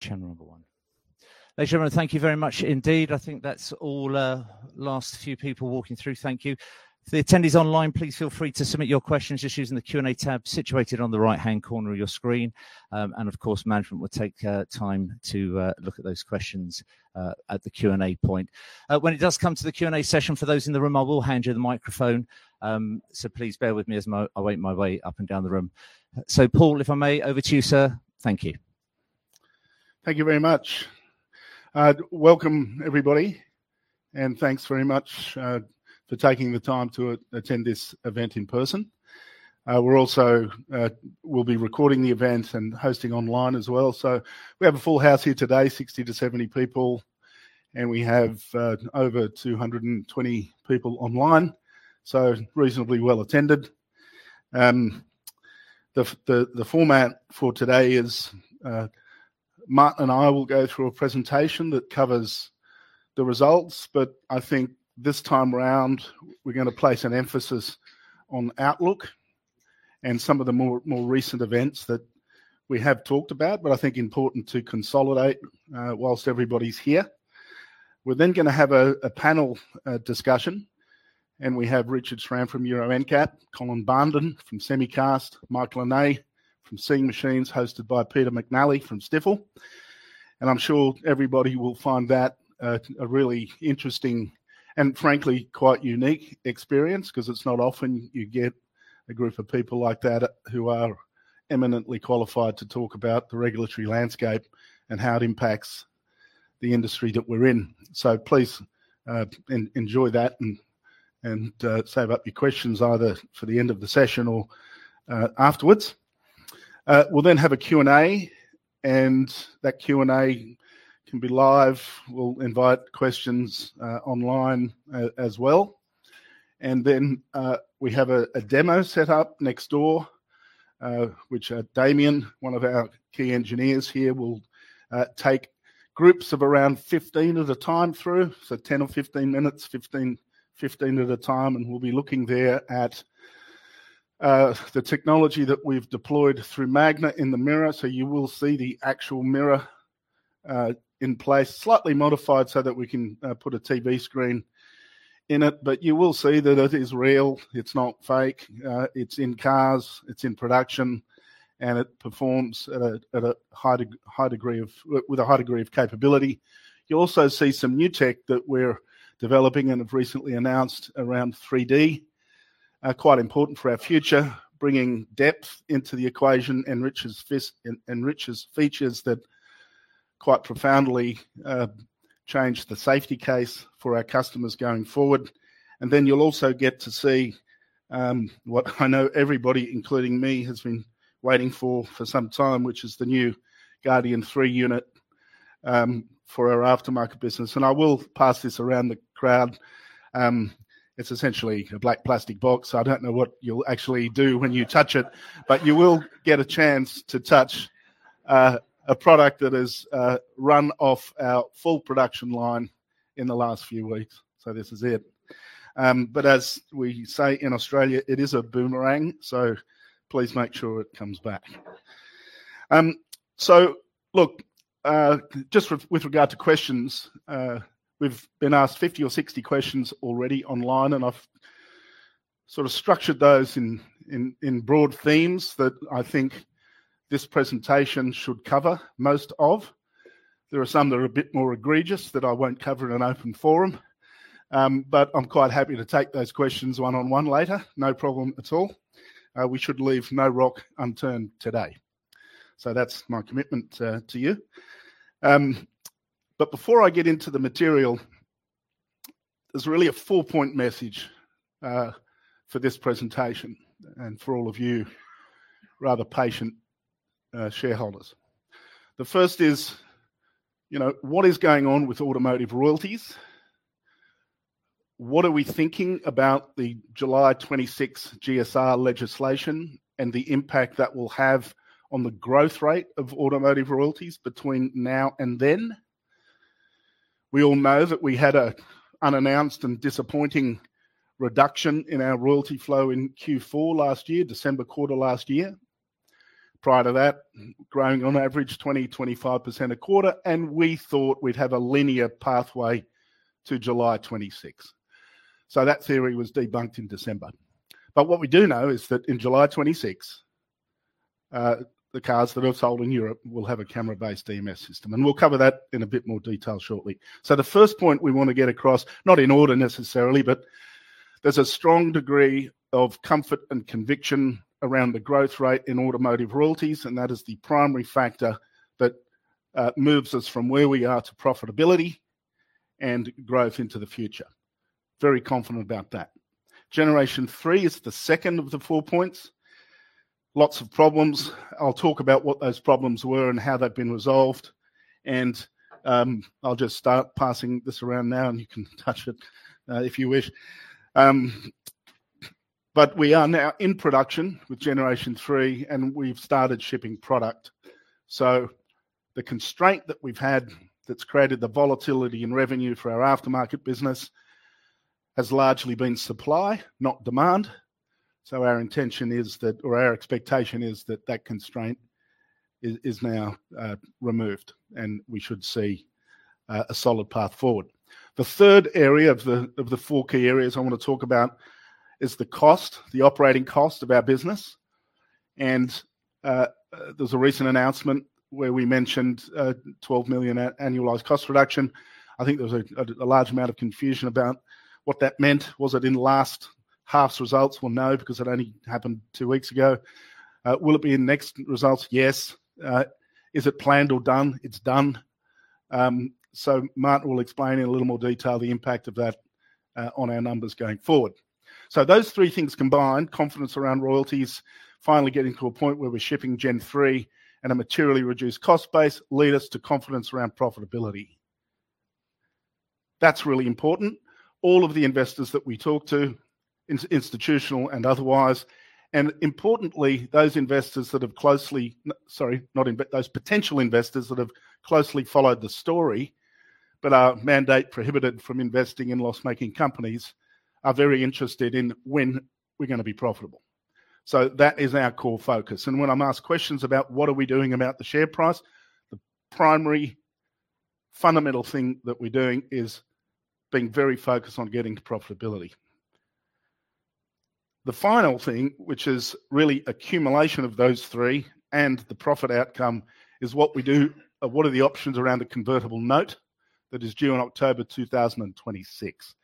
Channel number one. Thank you very much indeed. I think that's all, last few people walking through. Thank you. For the attendees online, please feel free to submit your questions just using the Q&A tab situated on the right-hand corner of your screen. Of course, management will take time to look at those questions at the Q&A point. When it does come to the Q&A session, for those in the room, I will hand you the microphone. Please bear with me as I make my way up and down the room. Paul, if I may, over to you, sir. Thank you. Thank you very much. Welcome everybody, and thanks very much for taking the time to attend this event in person. We're also recording the event and hosting online as well. We have a full house here today, 60-70 people, and we have over 220 people online, so reasonably well attended. The format for today is, Martin and I will go through a presentation that covers the results, but I think this time around we're gonna place an emphasis on outlook and some of the more recent events that we have talked about, but I think important to consolidate, whilst everybody's here. We're then gonna have a panel discussion, and we have Richard Schram from Euro NCAP, Colin Barnden from Semicast Research, Michael Inay from Seeing Machines, hosted by Peter McNally from Stifel. I'm sure everybody will find that a really interesting and frankly quite unique experience because it's not often you get a group of people like that who are eminently qualified to talk about the regulatory landscape and how it impacts the industry that we're in. Please enjoy that and save up your questions either for the end of the session or afterwards. We'll then have a Q&A, and that Q&A can be live. We'll invite questions online as well. We have a demo set up next door, which Damien, one of our key engineers here, will take groups of around 15 at a time through, so 10 or 15 minutes, 15 at a time. We'll be looking there at the technology that we've deployed through Magna in the mirror. You will see the actual mirror, in place, slightly modified so that we can put a TV screen in it. You will see that it is real. It's not fake. It's in cars. It's in production, and it performs with a high degree of capability. You'll also see some new tech that we're developing and have recently announced around 3D, quite important for our future, bringing depth into the equation and enriches features that quite profoundly change the safety case for our customers going forward. You'll also get to see what I know everybody, including me, has been waiting for, for some time, which is the new Guardian 3 unit for our aftermarket business. I will pass this around the crowd. It's essentially a black plastic box. I don't know what you'll actually do when you touch it, but you will get a chance to touch a product that is run off our full production line in the last few weeks. This is it. As we say in Australia, it is a boomerang, so please make sure it comes back. Just with regard to questions, we've been asked 50 or 60 questions already online, and I've sort of structured those in broad themes that I think this presentation should cover most of. There are some that are a bit more egregious that I won't cover in an open forum. I'm quite happy to take those questions one-on-one later. No problem at all. We should leave no rock unturned today. That's my commitment to you. Before I get into the material, there's really a four-point message for this presentation and for all of you rather patient shareholders. The first is, you know, what is going on with automotive royalties? What are we thinking about the July 26th GSR legislation and the impact that will have on the growth rate of automotive royalties between now and then? We all know that we had an unannounced and disappointing reduction in our royalty flow in Q4 last year, December quarter last year. Prior to that, growing on average 20-25% a quarter, and we thought we'd have a linear pathway to July 26th. That theory was debunked in December. What we do know is that in July 26th, the cars that are sold in Europe will have a camera-based DMS system, and we'll cover that in a bit more detail shortly. The first point we wanna get across, not in order necessarily, but there's a strong degree of comfort and conviction around the growth rate in automotive royalties, and that is the primary factor that moves us from where we are to profitability and growth into the future. Very confident about that. Generation Three is the second of the four points. Lots of problems. I'll talk about what those problems were and how they've been resolved. I'll just start passing this around now, and you can touch it, if you wish. We are now in production with Generation Three, and we've started shipping product. The constraint that we've had that's created the volatility in revenue for our aftermarket business has largely been supply, not demand. Our intention is that, or our expectation is that that constraint is now removed, and we should see a solid path forward. The third area of the four key areas I wanna talk about is the cost, the operating cost of our business. There's a recent announcement where we mentioned $12 million annualized cost reduction. I think there was a large amount of confusion about what that meant. Was it in last half's results? No, because it only happened two weeks ago. Will it be in next results? Yes. Is it planned or done? It's done. Martin will explain in a little more detail the impact of that on our numbers going forward. Those three things combined, confidence around royalties, finally getting to a point where we're shipping Gen 3 and a materially reduced cost base, lead us to confidence around profitability. That's really important. All of the investors that we talk to, institutional and otherwise, and importantly, those potential investors that have closely followed the story but are mandate prohibited from investing in loss-making companies are very interested in when we're gonna be profitable. That is our core foc When I'm asked questions about what are we doing about the share price, the primary fundamental thing that we're doing is being very focused on getting to profitability. The final thing, which is really accumulation of those three and the profit outcome, is what we do, what are the options around the convertible note that is due in October 2026.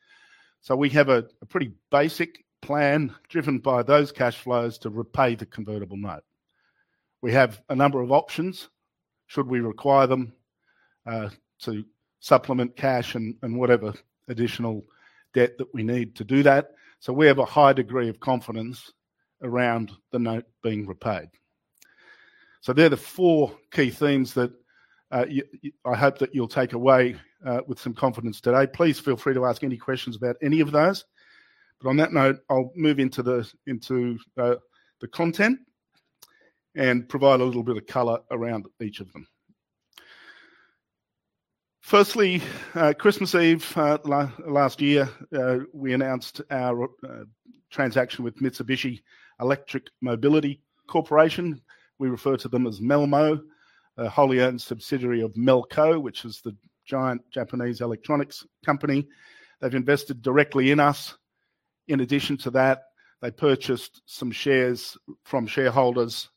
We have a pretty basic plan driven by those cash flows to repay the convertible note. We have a number of options should we require them to supplement cash and whatever additional debt that we need to do that. We have a high degree of confidence around the note being repaid. They are the four key themes that I hope that you'll take away with some confidence today. Please feel free to ask any questions about any of those. On that note, I'll move into the content and provide a little bit of color around each of them. Firstly, Christmas Eve last year, we announced our transaction with Mitsubishi Electric Mobility Corporation. We refer to them as MelMo, a wholly owned subsidiary of MelCo, which is the giant Japanese electronics company. They've invested directly in us. In addition to that, they purchased some shares from shareholders,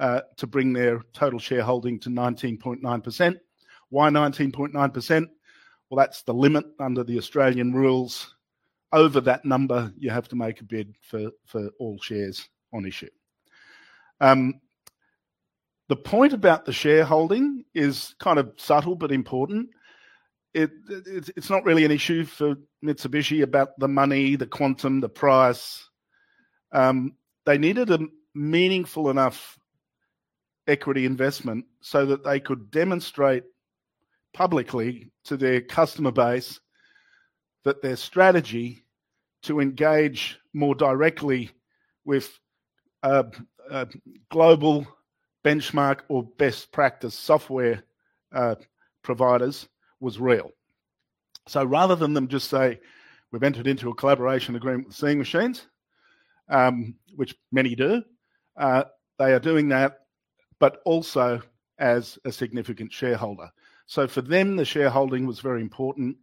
to bring their total shareholding to 19.9%. Why 19.9%? That is the limit under the Australian rules. Over that number, you have to make a bid for all shares on issue. The point about the shareholding is kind of subtle but important. It is not really an issue for Mitsubishi about the money, the quantum, the price. They needed a meaningful enough equity investment so that they could demonstrate publicly to their customer base that their strategy to engage more directly with global benchmark or best practice software providers was real. Rather than them just say, "We've entered into a collaboration agreement with Seeing Machines," which many do, they are doing that, but also as a significant shareholder. For them, the shareholding was very important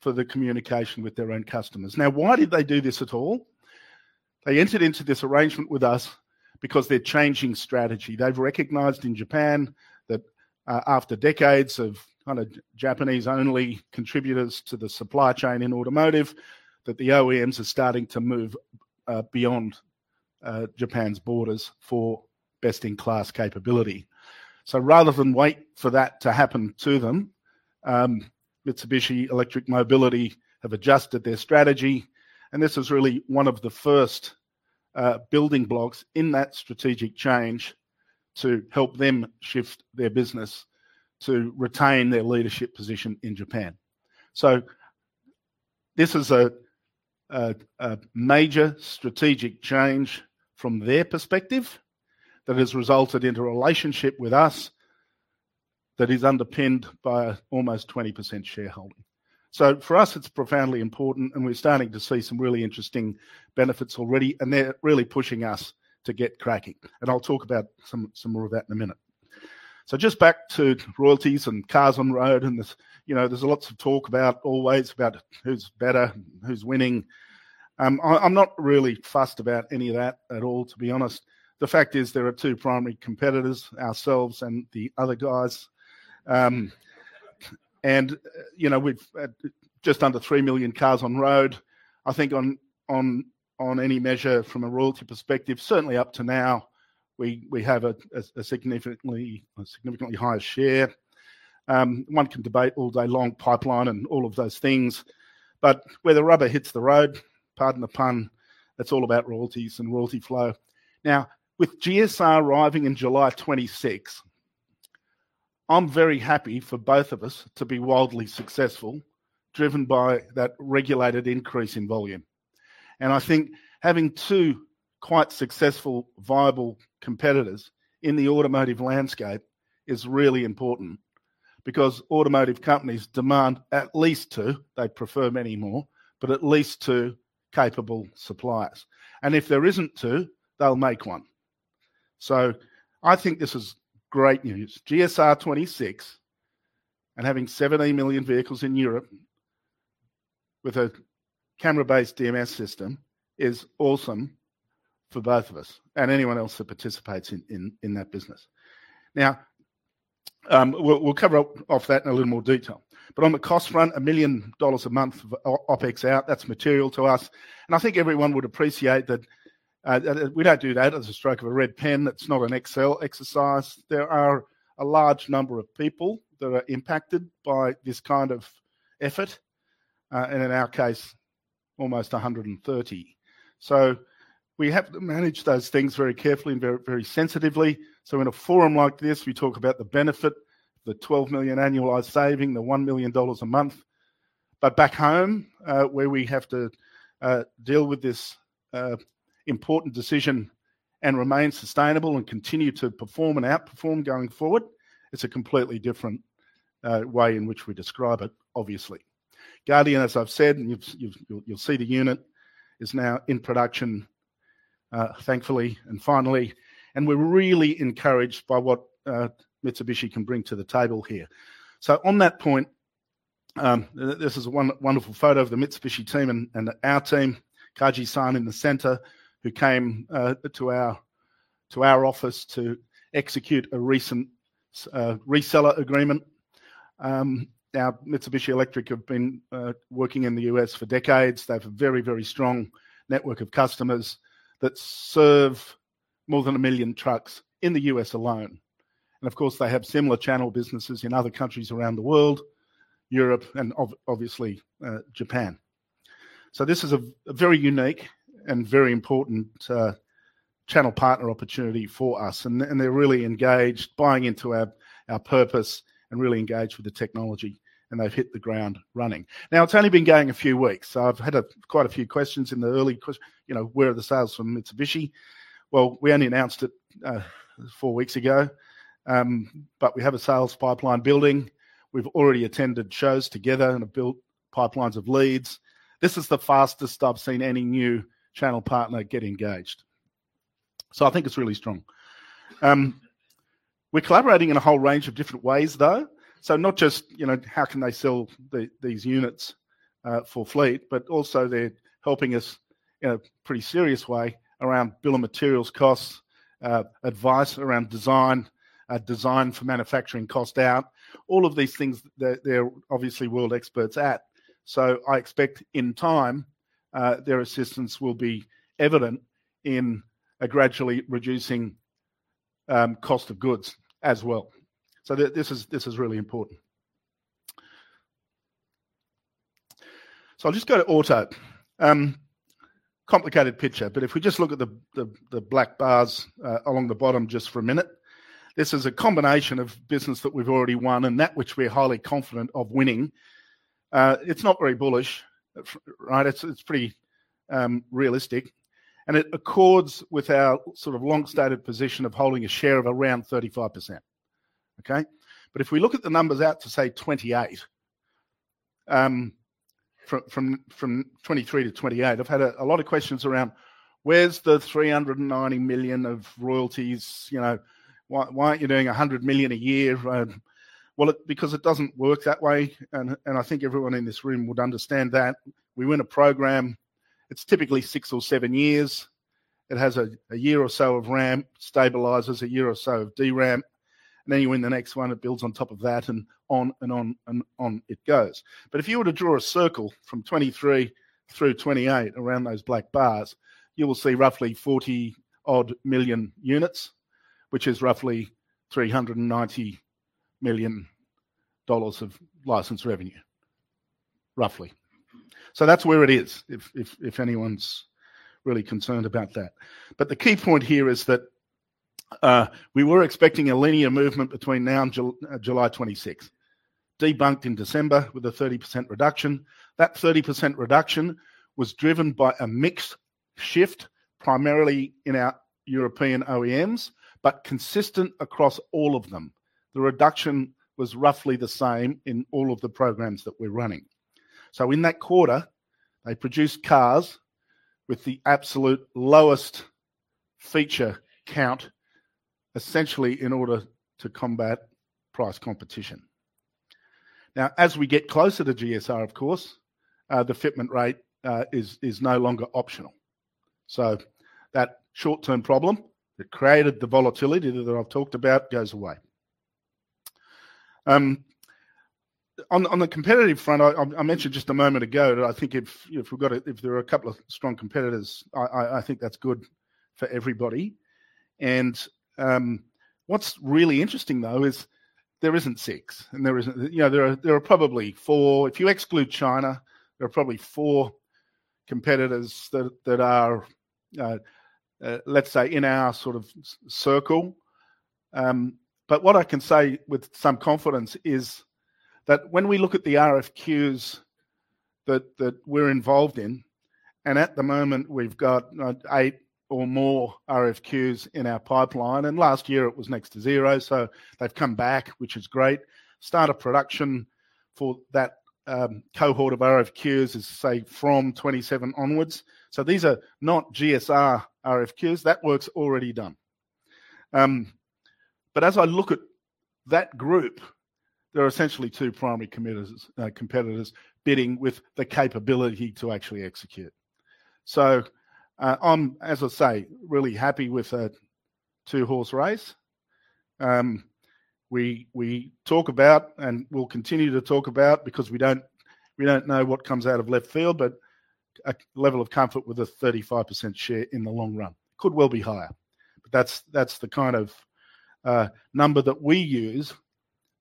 for the communication with their own customers. Now, why did they do this at all? They entered into this arrangement with us because they're changing strategy. They've recognized in Japan that, after decades of kind of Japanese-only contributors to the supply chain in automotive, the OEMs are starting to move, beyond, Japan's borders for best-in-class capability. Rather than wait for that to happen to them, Mitsubishi Electric Mobility have adjusted their strategy. This is really one of the first building blocks in that strategic change to help them shift their business to retain their leadership position in Japan. This is a major strategic change from their perspective that has resulted in a relationship with us that is underpinned by almost 20% shareholding. For us, it's profoundly important, and we're starting to see some really interesting benefits already, and they're really pushing us to get cracking. I'll talk about some more of that in a minute. Just back to royalties and cars on road and this, you know, there's lots of talk always about who's better, who's winning. I'm not really fussed about any of that at all, to be honest. The fact is there are two primary competitors, ourselves and the other guys. You know, we've just under 3 million cars on road. I think on any measure from a royalty perspective, certainly up to now, we have a significantly, a significantly higher share. One can debate all day long pipeline and all of those things, but where the rubber hits the road, pardon the pun, it's all about royalties and royalty flow. Now, with GSR arriving in July 26th, I'm very happy for both of us to be wildly successful, driven by that regulated increase in volume. I think having two quite successful, viable competitors in the automotive landscape is really important because automotive companies demand at least two. They prefer many more, but at least two capable suppliers. If there isn't two, they'll make one. I think this is great news. GSR 26 and having 17 million vehicles in Europe with a camera-based DMS system is awesome for both of us and anyone else that participates in that business. Now, we'll cover off that in a little more detail. On the cost front, a million dollars a month of OpEx out, that's material to us. I think everyone would appreciate that, that we don't do that as a stroke of a red pen. It's not an Excel exercise. There are a large number of people that are impacted by this kind of effort, and in our case, almost 130. We have to manage those things very carefully and very, very sensitively. In a forum like this, we talk about the benefit, the $12 million annualized saving, the $1 million a month. Back home, where we have to deal with this important decision and remain sustainable and continue to perform and outperform going forward, it's a completely different way in which we describe it, obviously. Guardian, as I've said, and you'll see the unit is now in production, thankfully and finally, and we're really encouraged by what Mitsubishi can bring to the table here. On that point, this is a wonderful photo of the Mitsubishi team and our team, Kaji-san in the center, who came to our office to execute a recent reseller agreement. Now, Mitsubishi Electric have been working in the US for decades. They have a very, very strong network of customers that serve more than a million trucks in the US alone. Of course, they have similar channel businesses in other countries around the world, Europe and obviously, Japan. This is a very unique and very important channel partner opportunity for us. They're really engaged, buying into our purpose and really engaged with the technology, and they've hit the ground running. It's only been going a few weeks, so I've had quite a few questions in the early question, you know, where are the sales from Mitsubishi? We only announced it four weeks ago, but we have a sales pipeline building. We've already attended shows together and have built pipelines of leads. This is the fastest I've seen any new channel partner get engaged. I think it's really strong. We're collaborating in a whole range of different ways, though. Not just, you know, how can they sell these units for fleet, but also they're helping us in a pretty serious way around bill of materials costs, advice around design, design for manufacturing cost out, all of these things that they're obviously world experts at. I expect in time, their assistance will be evident in a gradually reducing cost of goods as well. This is really important. I'll just go to auto. Complicated picture, but if we just look at the black bars along the bottom just for a minute, this is a combination of business that we've already won and that which we're highly confident of winning. It's not very bullish, right? It's pretty realistic, and it accords with our sort of long-stated position of holding a share of around 35%. Okay? But if we look at the numbers out to say 2028, from 2023 to 2028, I've had a lot of questions around where's the $390 million of royalties, you know, why aren't you doing $100 million a year? It is because it doesn't work that way. I think everyone in this room would understand that. We win a program. It's typically six or seven years. It has a year or so of ramp, stabilizers, a year or so of deramp. Then you win the next one. It builds on top of that and on and on and on it goes. If you were to draw a circle from 2023 through 2028 around those black bars, you will see roughly 40-odd million units, which is roughly $390 million of license revenue, roughly. That is where it is if, if, if anyone's really concerned about that. The key point here is that we were expecting a linear movement between now and July 26th, debunked in December with a 30% reduction. That 30% reduction was driven by a mix shift primarily in our European OEMs, but consistent across all of them. The reduction was roughly the same in all of the programs that we're running. In that quarter, they produced cars with the absolute lowest feature count, essentially in order to combat price competition. Now, as we get closer to GSR, of course, the fitment rate is no longer optional. That short-term problem that created the volatility that I've talked about goes away. On the competitive front, I mentioned just a moment ago that I think if we've got a, if there are a couple of strong competitors, I think that's good for everybody. What's really interesting, though, is there isn't six, and there isn't, you know, there are probably four. If you exclude China, there are probably four competitors that are, let's say, in our sort of circle. What I can say with some confidence is that when we look at the RFQs that we're involved in, and at the moment we've got eight or more RFQs in our pipeline, and last year it was next to zero, so they've come back, which is great. Startup production for that cohort of RFQs is, say, from 2027 onwards. These are not GSR RFQs. That work's already done. As I look at that group, there are essentially two primary competitors bidding with the capability to actually execute. I'm, as I say, really happy with a two-horse race. We talk about and will continue to talk about because we don't know what comes out of left field, but a level of comfort with a 35% share in the long run could well be higher. That's the kind of number that we use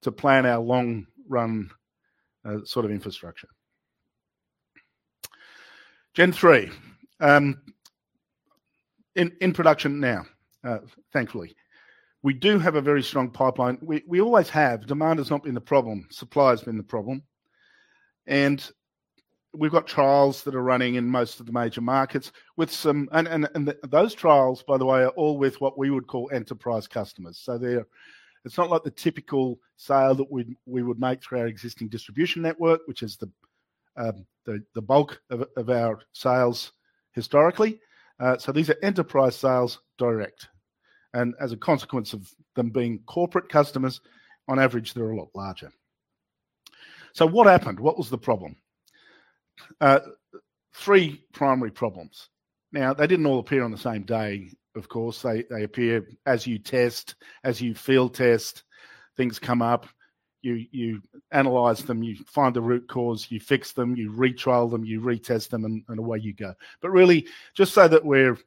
to plan our long-run sort of infrastructure. Gen 3 in production now, thankfully, we do have a very strong pipeline. We always have. Demand has not been the problem. Supply has been the problem. We've got trials that are running in most of the major markets with some, and those trials, by the way, are all with what we would call enterprise customers. It's not like the typical sale that we would make through our existing distribution network, which is the bulk of our sales historically. These are enterprise sales direct. As a consequence of them being corporate customers, on average, they're a lot larger. What happened? What was the problem? Three primary problems. They didn't all appear on the same day, of course. They appear as you test, as you field test, things come up, you analyze them, you find the root cause, you fix them, you retrial them, you retest them, and away you go. Really, just so that we're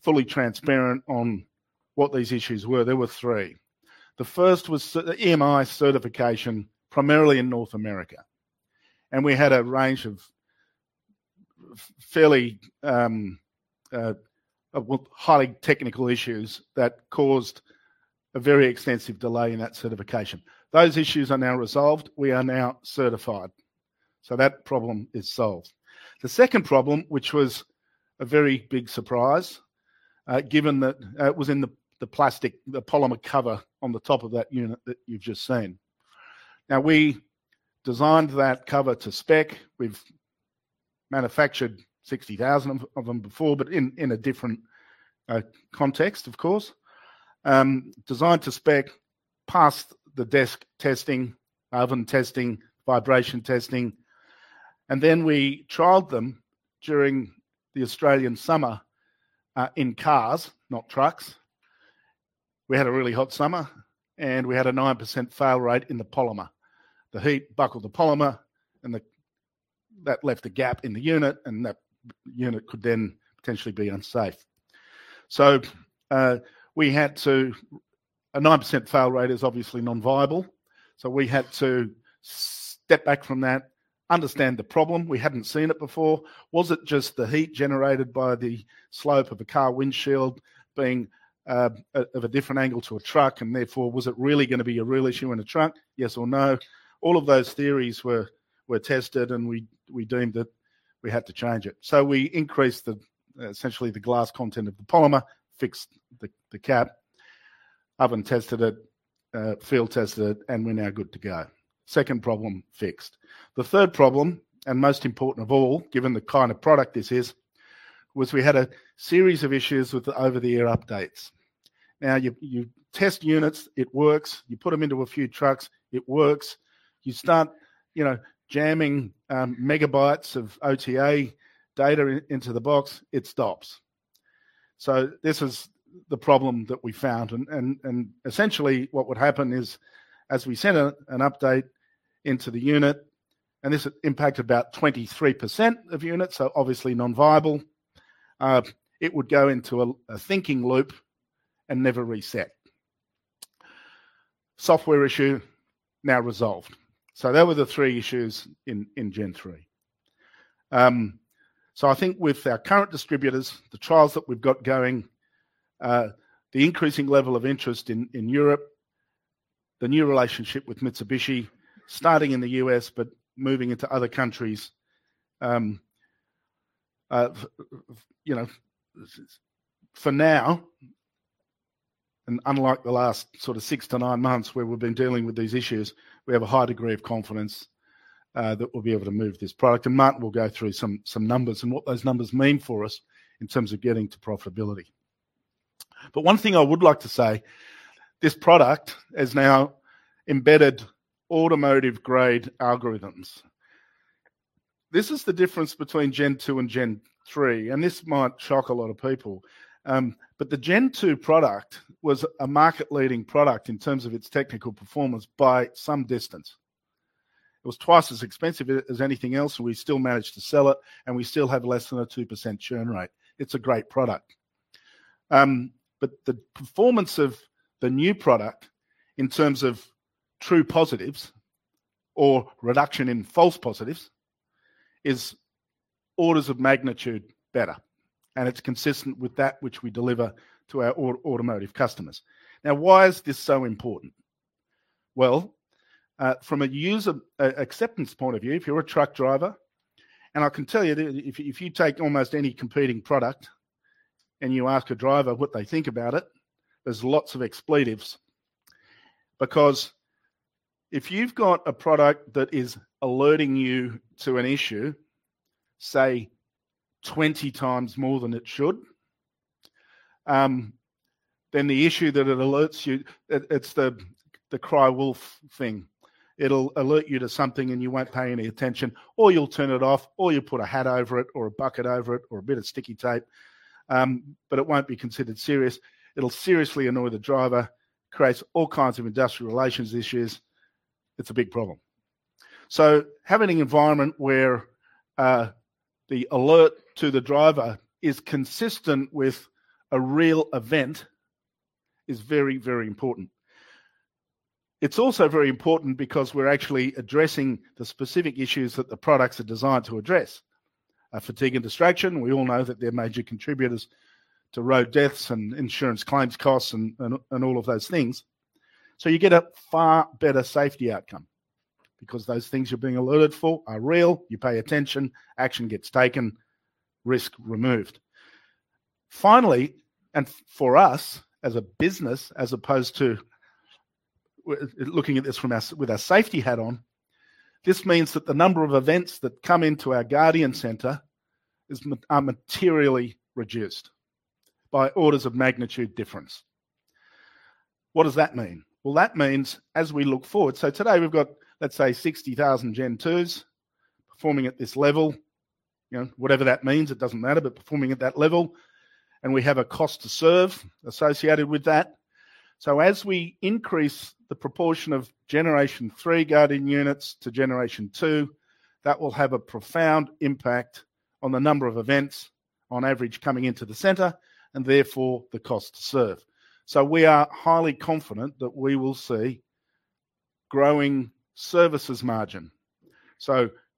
fully transparent on what these issues were, there were three. The first was the EMI certification, primarily in North America. We had a range of fairly, well, highly technical issues that caused a very extensive delay in that certification. Those issues are now resolved. We are now certified. That problem is solved. The second problem, which was a very big surprise, given that it was in the plastic, the polymer cover on the top of that unit that you've just seen. We designed that cover to spec. We've manufactured 60,000 of them before, but in a different context, of course, designed to spec, passed the desk testing, oven testing, vibration testing. We trialed them during the Australian summer, in cars, not trucks. We had a really hot summer, and we had a 9% fail rate in the polymer. The heat buckled the polymer, and that left a gap in the unit, and that unit could then potentially be unsafe. We had to, a 9% fail rate is obviously non-viable. We had to step back from that, understand the problem. We hadn't seen it before. Was it just the heat generated by the slope of a car windshield being of a different angle to a truck? Therefore, was it really gonna be a real issue in a truck? Yes or no? All of those theories were tested, and we deemed that we had to change it. We increased the, essentially the glass content of the polymer, fixed the cap, oven tested it, field tested it, and we're now good to go. Second problem fixed. The third problem, and most important of all, given the kind of product this is, was we had a series of issues with the over-the-air updates. Now, you test units, it works. You put them into a few trucks, it works. You start, you know, jamming megabytes of OTA data into the box, it stops. This is the problem that we found. Essentially what would happen is as we sent an update into the unit, and this impacted about 23% of units, so obviously non-viable, it would go into a thinking loop and never reset. Software issue now resolved. There were the three issues in Gen 3. I think with our current distributors, the trials that we've got going, the increasing level of interest in Europe, the new relationship with Mitsubishi starting in the US but moving into other countries, you know, for now, and unlike the last sort of six to nine months where we've been dealing with these issues, we have a high degree of confidence that we'll be able to move this product. Martin will go through some numbers and what those numbers mean for us in terms of getting to profitability. One thing I would like to say, this product is now embedded automotive-grade algorithms. This is the difference between Gen 2 and Gen 3, and this might shock a lot of people. The Gen two product was a market-leading product in terms of its technical performance by some distance. It was twice as expensive as anything else, and we still managed to sell it, and we still have less than a 2% churn rate. It's a great product. The performance of the new product in terms of true positives or reduction in false positives is orders of magnitude better, and it's consistent with that which we deliver to our automotive customers. Now, why is this so important? From a user acceptance point of view, if you're a truck driver, and I can tell you that if you take almost any competing product and you ask a driver what they think about it, there's lots of expletives because if you've got a product that is alerting you to an issue, say, 20 times more than it should, then the issue that it alerts you, it's the cry wolf thing. It'll alert you to something, and you won't pay any attention, or you'll turn it off, or you'll put a hat over it, or a bucket over it, or a bit of sticky tape, but it won't be considered serious. It'll seriously annoy the driver, creates all kinds of industrial relations issues. It's a big problem. Having an environment where the alert to the driver is consistent with a real event is very, very important. It is also very important because we are actually addressing the specific issues that the products are designed to address. Fatigue and distraction, we all know that they are major contributors to road deaths and insurance claims costs and all of those things. You get a far better safety outcome because those things you are being alerted for are real. You pay attention, action gets taken, risk removed. Finally, and for us as a business, as opposed to looking at this from our, with our safety hat on, this means that the number of events that come into our Guardian center is materially reduced by orders of magnitude difference. What does that mean? That means as we look forward, today we've got, let's say, 60,000 Gen twos performing at this level, you know, whatever that means, it doesn't matter, but performing at that level, and we have a cost to serve associated with that. As we increase the proportion of Generation 3 Guardian units to Generation 2, that will have a profound impact on the number of events on average coming into the center and therefore the cost to serve. We are highly confident that we will see growing services margin.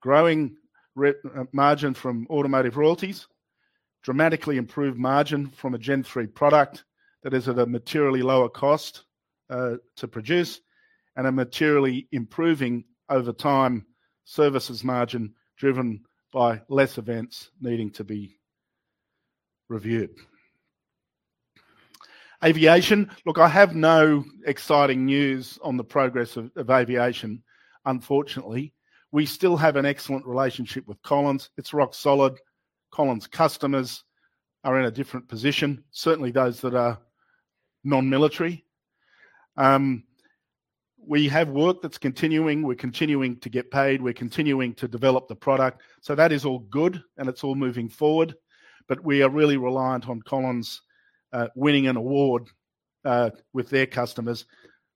Growing re margin from automotive royalties, dramatically improved margin from a Gen 3 product that is at a materially lower cost to produce and a materially improving over time services margin driven by less events needing to be reviewed. Aviation, look, I have no exciting news on the progress of aviation. Unfortunately, we still have an excellent relationship with Collins. It's rock solid. Collins customers are in a different position, certainly those that are non-military. We have work that's continuing. We're continuing to get paid. We're continuing to develop the product. That is all good, and it's all moving forward. We are really reliant on Collins winning an award with their customers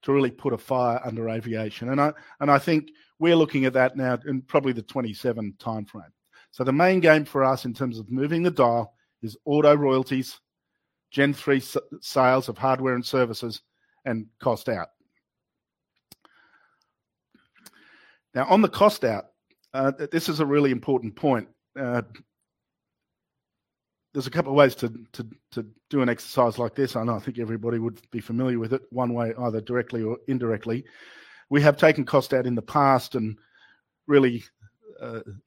to really put a fire under aviation. I think we are looking at that now in probably the 2027 timeframe. The main game for us in terms of moving the dial is auto royalties, Gen 3 sales of hardware and services, and cost out. On the cost out, this is a really important point. There are a couple of ways to do an exercise like this. I know I think everybody would be familiar with it one way, either directly or indirectly. We have taken cost out in the past and really,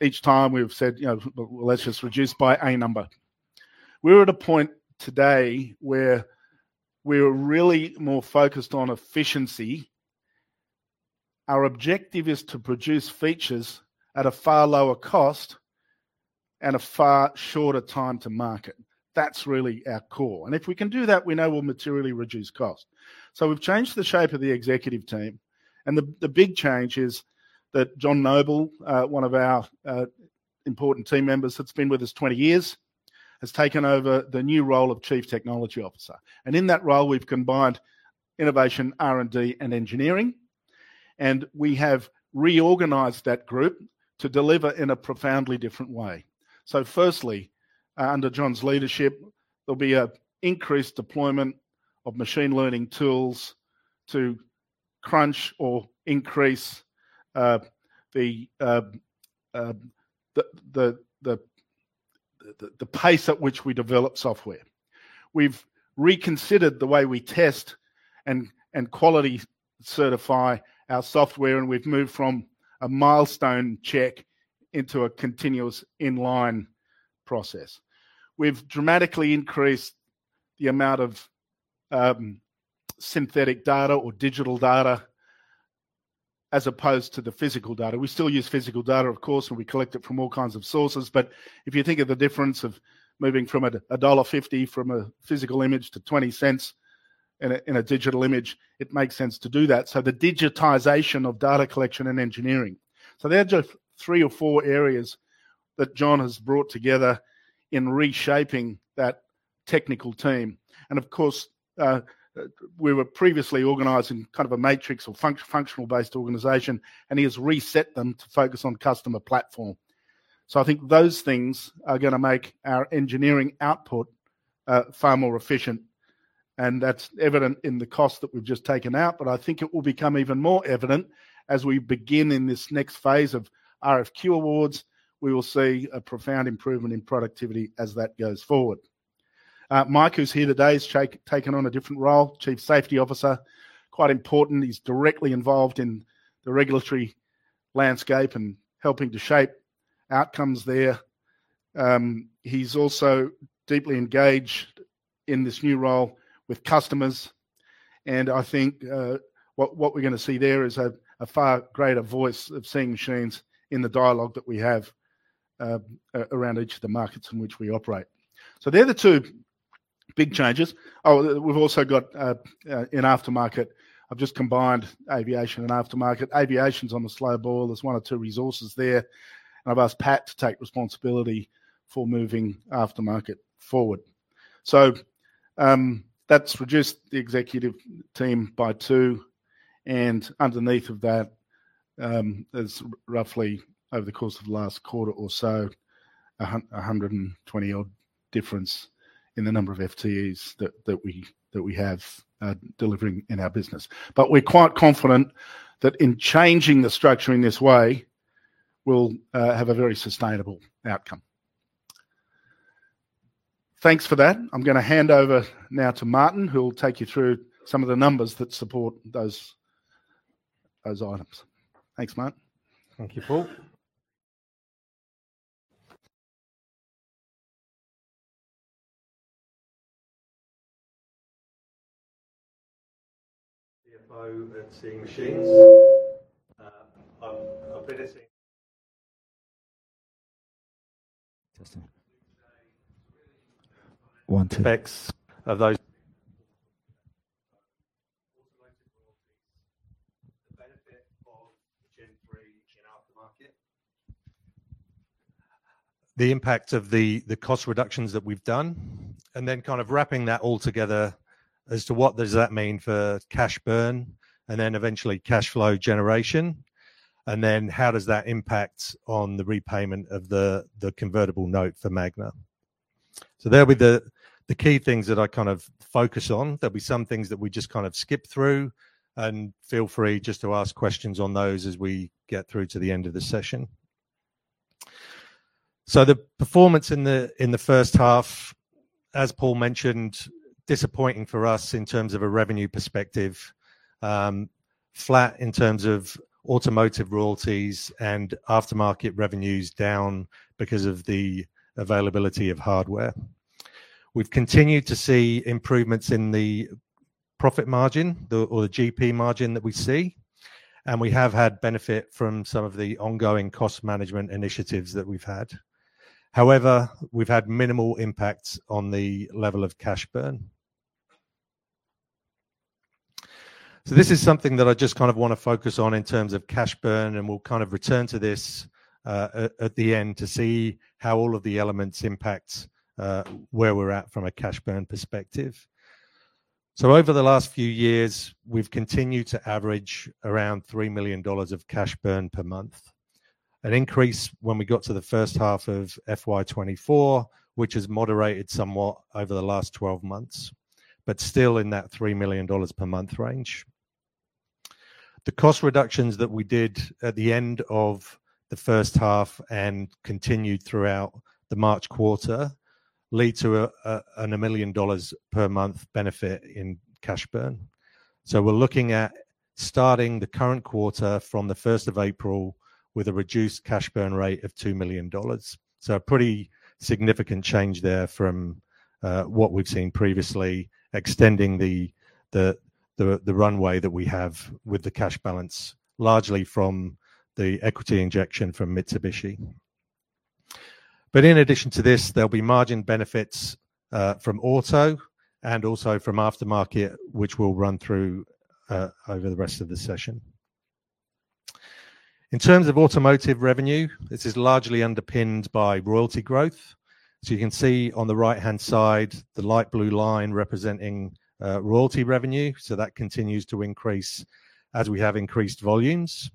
each time we've said, you know, let's just reduce by a number. We were at a point today where we were really more focused on efficiency. Our objective is to produce features at a far lower cost and a far shorter time to market. That's really our core. If we can do that, we know we'll materially reduce cost. We have changed the shape of the executive team. The big change is that John Noble, one of our important team members that's been with us 20 years, has taken over the new role of Chief Technology Officer. In that role, we've combined innovation, R&D, and engineering, and we have reorganized that group to deliver in a profoundly different way. Firstly, under John's leadership, there'll be an increased deployment of machine learning tools to crunch or increase the pace at which we develop software. We've reconsidered the way we test and quality certify our software, and we've moved from a milestone check into a continuous inline process. We've dramatically increased the amount of synthetic data or digital data as opposed to the physical data. We still use physical data, of course, and we collect it from all kinds of sources. If you think of the difference of moving from $1.50 from a physical image to $0.20 in a digital image, it makes sense to do that. The digitization of data collection and engineering. There are just three or four areas that John has brought together in reshaping that technical team. Of course, we were previously organized in kind of a matrix or functional-based organization, and he has reset them to focus on customer platform. I think those things are gonna make our engineering output far more efficient. That is evident in the cost that we've just taken out. I think it will become even more evident as we begin in this next phase of RFQ awards. We will see a profound improvement in productivity as that goes forward. Mike, who's here today, has taken on a different role, Chief Safety Officer, quite important. He's directly involved in the regulatory landscape and helping to shape outcomes there. He's also deeply engaged in this new role with customers. I think what we're gonna see there is a far greater voice of Seeing Machines in the dialogue that we have around each of the markets in which we operate. They're the two big changes. We've also got, in aftermarket, I've just combined aviation and aftermarket. Aviation's on the slow ball. There's one or two resources there. I've asked Pat to take responsibility for moving aftermarket forward. That's reduced the executive team by two. Underneath that, there's roughly, over the course of the last quarter or so, a 120-odd difference in the number of FTEs that we have delivering in our business. We are quite confident that in changing the structure in this way, we'll have a very sustainable outcome. Thanks for that. I'm gonna hand over now to Martin, who'll take you through some of the numbers that support those, those items. Thanks, Martin. Thank you, Paul. CFO at Seeing Machines. I'm finishing. Testing. One, two. Facts of those automotive royalties, the benefit of Gen 3 in aftermarket. The impact of the, the cost reductions that we've done, and then kind of wrapping that all together as to what does that mean for cash burn and then eventually cash flow generation. How does that impact on the repayment of the, the convertible note for Magna? There'll be the, the key things that I kind of focus on. There'll be some things that we just kind of skip through, and feel free just to ask questions on those as we get through to the end of the session. The performance in the first half, as Paul mentioned, was disappointing for us in terms of a revenue perspective, flat in terms of automotive royalties and aftermarket revenues down because of the availability of hardware. We have continued to see improvements in the profit margin, or the GP margin that we see, and we have had benefit from some of the ongoing cost management initiatives that we have had. However, we have had minimal impacts on the level of cash burn. This is something that I just kind of want to focus on in terms of cash burn, and we will kind of return to this at the end to see how all of the elements impact where we are at from a cash burn perspective. Over the last few years, we've continued to average around $3 million of cash burn per month, an increase when we got to the first half of FY 2024, which has moderated somewhat over the last 12 months, but still in that $3 million per month range. The cost reductions that we did at the end of the first half and continued throughout the March quarter lead to a million dollars per month benefit in cash burn. We're looking at starting the current quarter from the 1st of April with a reduced cash burn rate of $2 million. A pretty significant change there from what we've seen previously, extending the runway that we have with the cash balance largely from the equity injection from Mitsubishi. In addition to this, there'll be margin benefits from auto and also from aftermarket, which we'll run through over the rest of the session. In terms of automotive revenue, this is largely underpinned by royalty growth. You can see on the right-hand side the light blue line representing royalty revenue. That continues to increase as we have increased volumes.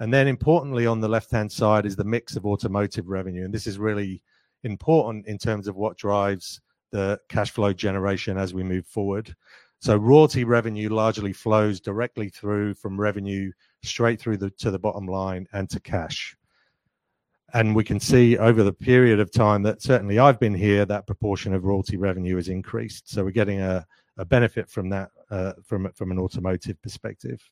Importantly, on the left-hand side is the mix of automotive revenue. This is really important in terms of what drives the cash flow generation as we move forward. Royalty revenue largely flows directly through from revenue straight through to the bottom line and to cash. We can see over the period of time that certainly I've been here, that proportion of royalty revenue has increased. We're getting a benefit from that, from an automotive perspective.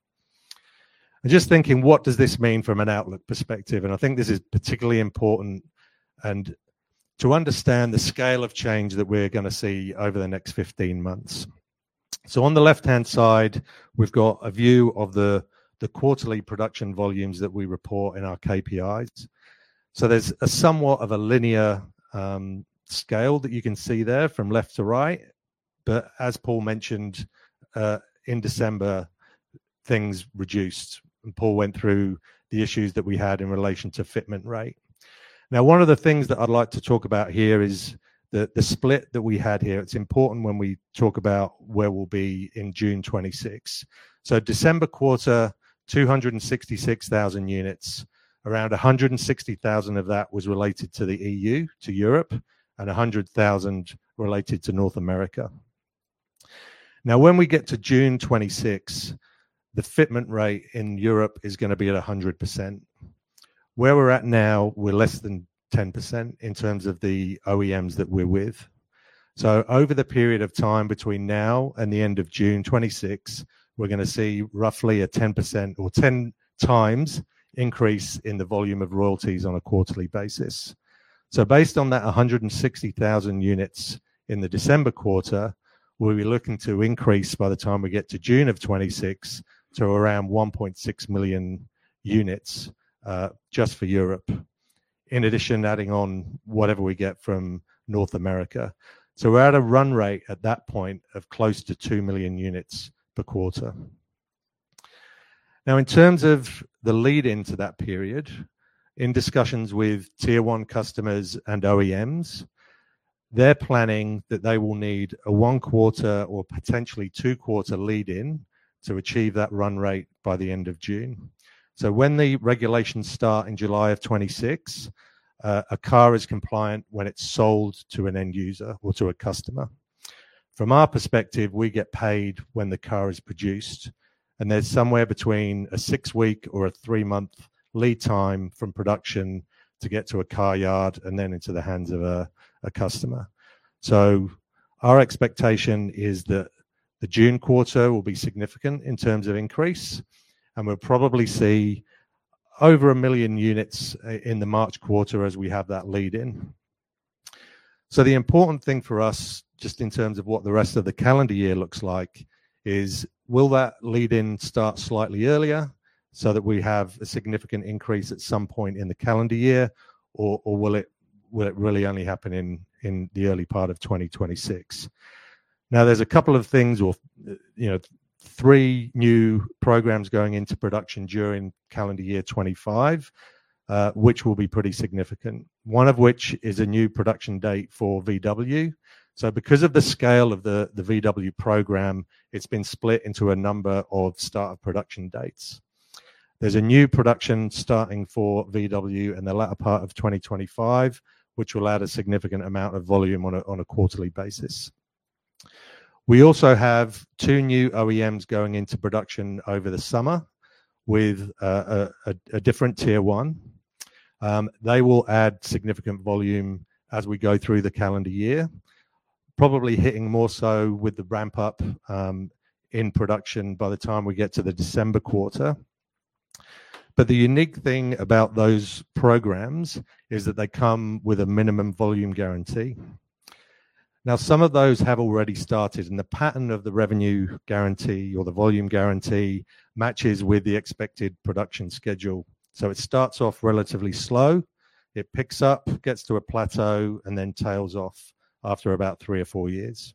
Just thinking, what does this mean from an outlook perspective? I think this is particularly important to understand the scale of change that we are gonna see over the next 15 months. On the left-hand side, we've got a view of the quarterly production volumes that we report in our KPIs. There's a somewhat of a linear scale that you can see there from left to right. As Paul mentioned, in December, things reduced, and Paul went through the issues that we had in relation to fitment rate. One of the things that I'd like to talk about here is the split that we had here. It's important when we talk about where we'll be in June 2026. December quarter, 266,000 units, around 160,000 of that was related to Europe, and 100,000 related to North America. Now, when we get to June 26, the fitment rate in Europe is gonna be at 100%. Where we're at now, we're less than 10% in terms of the OEMs that we're with. Over the period of time between now and the end of June 26, we're gonna see roughly a 10 times increase in the volume of royalties on a quarterly basis. Based on that 160,000 units in the December quarter, we'll be looking to increase by the time we get to June of 2026 to around 1.6 million units, just for Europe, in addition, adding on whatever we get from North America. We're at a run rate at that point of close to 2 million units per quarter. Now, in terms of the lead into that period, in discussions with tier one customers and OEMs, they're planning that they will need a one quarter or potentially two quarter lead-in to achieve that run rate by the end of June. When the regulations start in July of 2026, a car is compliant when it's sold to an end user or to a customer. From our perspective, we get paid when the car is produced, and there's somewhere between a six-week or a three-month lead time from production to get to a car yard and then into the hands of a customer. Our expectation is that the June quarter will be significant in terms of increase, and we'll probably see over a million units in the March quarter as we have that lead-in. The important thing for us, just in terms of what the rest of the calendar year looks like, is will that lead-in start slightly earlier so that we have a significant increase at some point in the calendar year, or will it really only happen in the early part of 2026? Now, there's a couple of things, you know, three new programs going into production during calendar year 2025, which will be pretty significant, one of which is a new production date for VW. Because of the scale of the VW program, it's been split into a number of start of production dates. There's a new production starting for VW in the latter part of 2025, which will add a significant amount of volume on a quarterly basis. We also have two new OEMs going into production over the summer with a different tier one. They will add significant volume as we go through the calendar year, probably hitting more so with the ramp-up in production by the time we get to the December quarter. The unique thing about those programs is that they come with a minimum volume guarantee. Now, some of those have already started, and the pattern of the revenue guarantee or the volume guarantee matches with the expected production schedule. It starts off relatively slow, it picks up, gets to a plateau, and then tails off after about three or four years.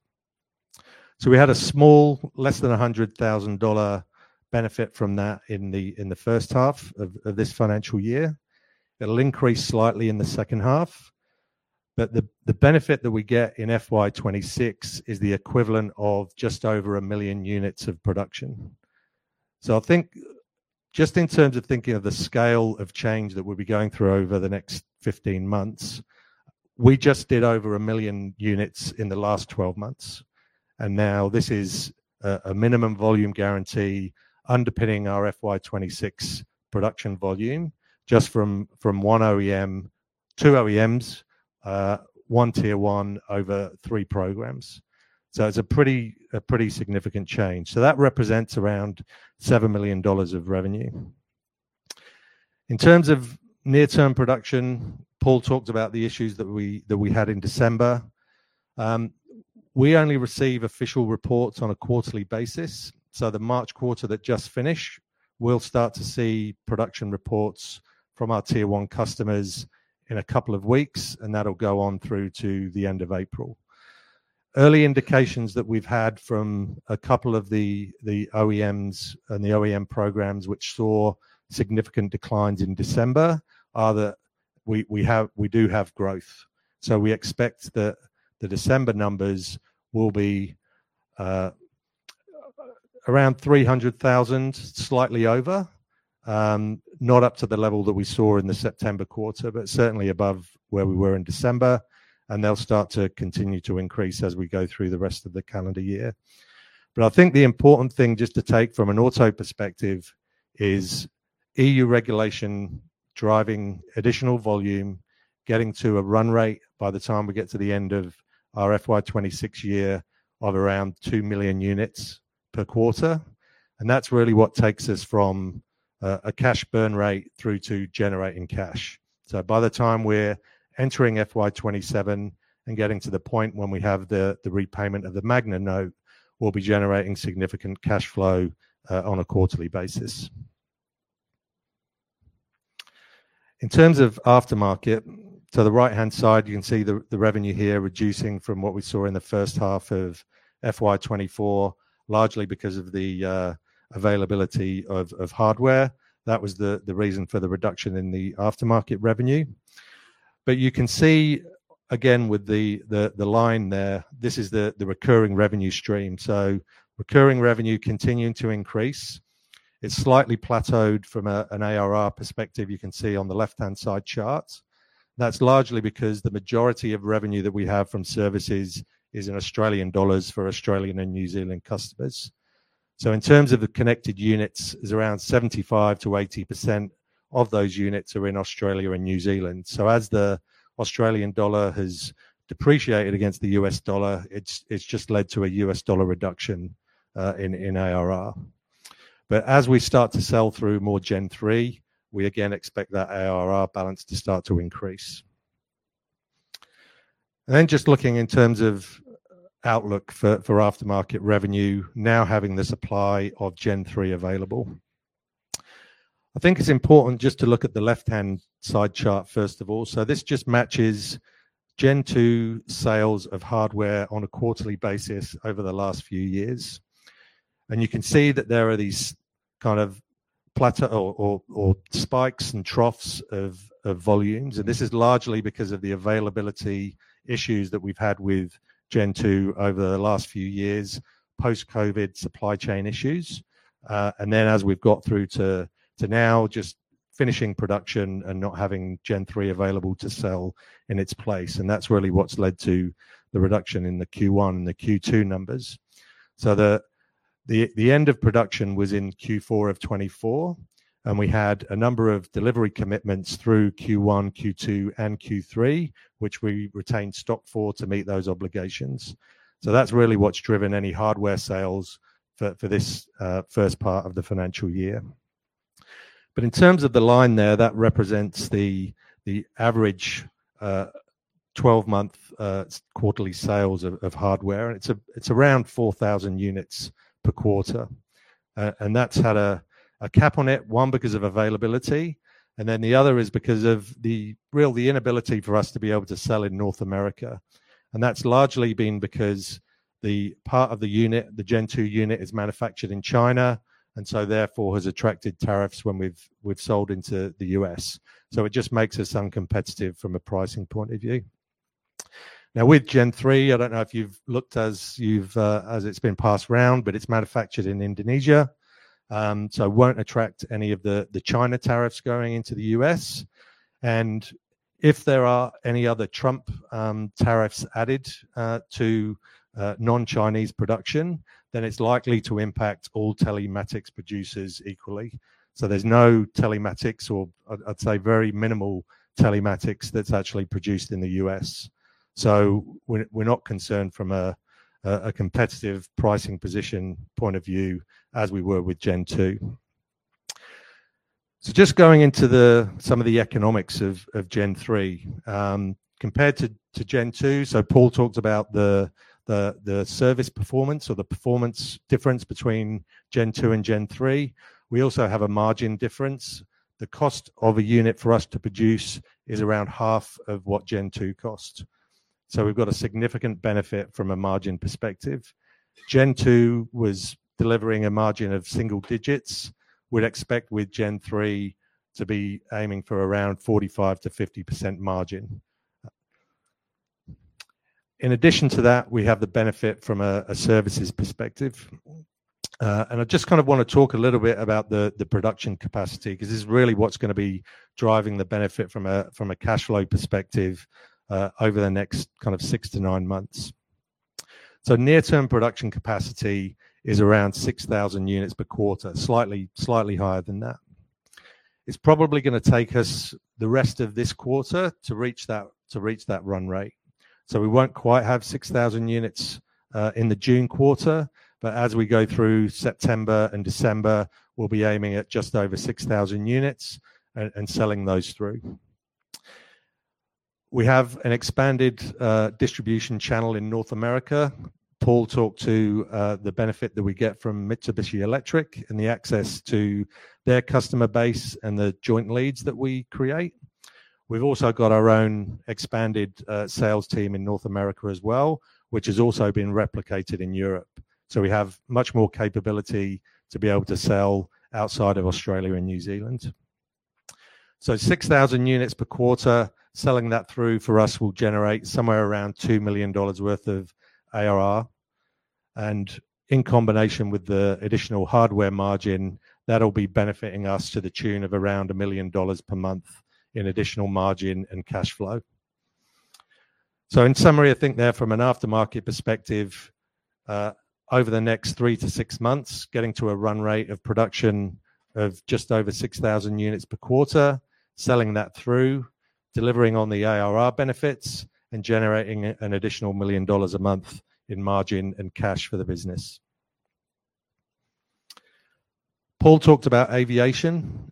We had a small, less than $100,000 benefit from that in the first half of this financial year. It'll increase slightly in the second half, but the benefit that we get in FY 2026 is the equivalent of just over 1 million units of production. I think just in terms of thinking of the scale of change that we'll be going through over the next 15 months, we just did over 1 million units in the last 12 months. This is a minimum volume guarantee underpinning our FY 2026 production volume just from one OEM, two OEMs, one tier one over three programs. It's a pretty significant change. That represents around $7 million of revenue. In terms of near-term production, Paul talked about the issues that we had in December. We only receive official reports on a quarterly basis. The March quarter that just finished, we'll start to see production reports from our tier one customers in a couple of weeks, and that'll go on through to the end of April. Early indications that we've had from a couple of the OEMs and the OEM programs, which saw significant declines in December, are that we do have growth. We expect that the December numbers will be around 300,000, slightly over, not up to the level that we saw in the September quarter, but certainly above where we were in December. They'll start to continue to increase as we go through the rest of the calendar year. I think the important thing just to take from an auto perspective is EU regulation driving additional volume, getting to a run rate by the time we get to the end of our FY 2026 year of around 2 million units per quarter. That is really what takes us from a cash burn rate through to generating cash. By the time we are entering FY 2027 and getting to the point when we have the repayment of the Magna note, we will be generating significant cash flow on a quarterly basis. In terms of aftermarket, to the right-hand side, you can see the revenue here reducing from what we saw in the first half of FY 2024, largely because of the availability of hardware. That was the reason for the reduction in the aftermarket revenue. You can see again with the, the line there, this is the recurring revenue stream. Recurring revenue continuing to increase. It's slightly plateaued from an ARR perspective. You can see on the left-hand side chart. That's largely because the majority of revenue that we have from services is in AUD for Australian and New Zealand customers. In terms of the connected units, it's around 75-80% of those units are in Australia and New Zealand. As the AUD has depreciated against the USD, it's just led to a USD reduction in ARR. As we start to sell through more Gen 3, we again expect that ARR balance to start to increase. Just looking in terms of outlook for aftermarket revenue, now having the supply of Gen 3 available, I think it's important just to look at the left-hand side chart first of all. This just matches Gen 2 sales of hardware on a quarterly basis over the last few years. You can see that there are these kind of plateau or spikes and troughs of volumes. This is largely because of the availability issues that we've had with Gen 2 over the last few years, post-COVID supply chain issues. As we've got through to now just finishing production and not having Gen 3 available to sell in its place, that's really what's led to the reduction in the Q1 and the Q2 numbers. The end of production was in Q4 of 2024, and we had a number of delivery commitments through Q1, Q2, and Q3, which we retained stock for to meet those obligations. That is really what has driven any hardware sales for this first part of the financial year. In terms of the line there, that represents the average 12-month quarterly sales of hardware. It is around 4,000 units per quarter, and that has had a cap on it, one because of availability, and then the other is because of the real inability for us to be able to sell in North America. That has largely been because part of the unit, the Gen 2 unit, is manufactured in China, and so therefore has attracted tariffs when we have sold into the U.S. It just makes us uncompetitive from a pricing point of view. Now with Gen 3, I don't know if you've looked as it's been passed round, but it's manufactured in Indonesia, so it won't attract any of the China tariffs going into the U.S. If there are any other Trump tariffs added to non-Chinese production, then it's likely to impact all telematics producers equally. There's no telematics, or I'd say very minimal telematics, that's actually produced in the US. We're not concerned from a competitive pricing position point of view as we were with Gen 2. Just going into some of the economics of Gen 3 compared to Gen 2. Paul talked about the service performance or the performance difference between Gen 2 and Gen 3. We also have a margin difference. The cost of a unit for us to produce is around half of what Gen 2 costs. We have a significant benefit from a margin perspective. Gen 2 was delivering a margin of single digits. We'd expect with Gen 3 to be aiming for around 45%-50% margin. In addition to that, we have the benefit from a services perspective. I just kind of want to talk a little bit about the production capacity because this is really what's going to be driving the benefit from a cash flow perspective over the next six to nine months. Near-term production capacity is around 6,000 units per quarter, slightly higher than that. It's probably going to take us the rest of this quarter to reach that, to reach that run rate. We won't quite have 6,000 units in the June quarter, but as we go through September and December, we'll be aiming at just over 6,000 units and selling those through. We have an expanded distribution channel in North America. Paul talked to the benefit that we get from Mitsubishi Electric and the access to their customer base and the joint leads that we create. We've also got our own expanded sales team in North America as well, which has also been replicated in Europe. We have much more capability to be able to sell outside of Australia and New Zealand. 6,000 units per quarter, selling that through for us will generate somewhere around $2 million worth of ARR. In combination with the additional hardware margin, that'll be benefiting us to the tune of around $1 million per month in additional margin and cash flow. In summary, I think there from an aftermarket perspective, over the next three to six months, getting to a run rate of production of just over 6,000 units per quarter, selling that through, delivering on the ARR benefits and generating an additional $1 million a month in margin and cash for the business. Paul talked about aviation.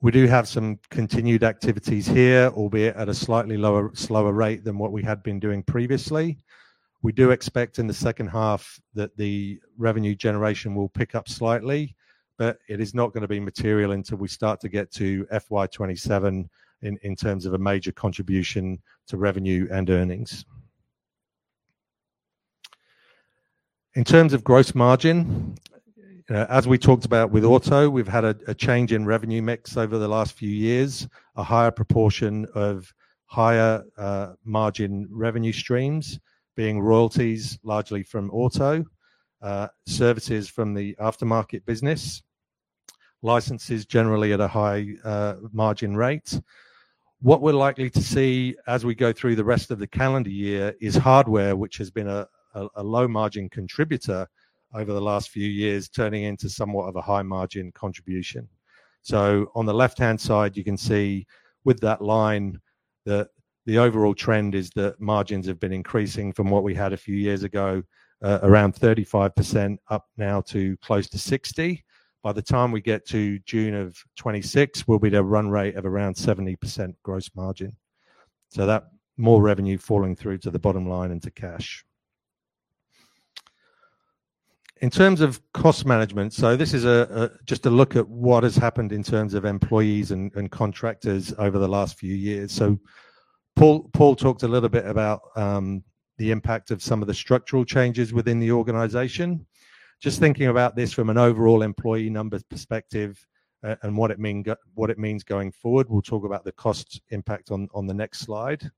We do have some continued activities here, albeit at a slightly lower, slower rate than what we had been doing previously. We do expect in the second half that the revenue generation will pick up slightly, but it is not gonna be material until we start to get to FY 2027 in terms of a major contribution to revenue and earnings. In terms of gross margin, you know, as we talked about with auto, we've had a change in revenue mix over the last few years, a higher proportion of higher margin revenue streams being royalties, largely from auto, services from the aftermarket business, licenses generally at a high margin rate. What we're likely to see as we go through the rest of the calendar year is hardware, which has been a low margin contributor over the last few years, turning into somewhat of a high margin contribution. On the left-hand side, you can see with that line that the overall trend is that margins have been increasing from what we had a few years ago, around 35% up now to close to 60%. By the time we get to June of 2026, we'll be at a run rate of around 70% gross margin. That means more revenue falling through to the bottom line and to cash. In terms of cost management, this is just a look at what has happened in terms of employees and contractors over the last few years. Paul talked a little bit about the impact of some of the structural changes within the organization. Just thinking about this from an overall employee numbers perspective and what it means going forward. We will talk about the cost impact on the next slide.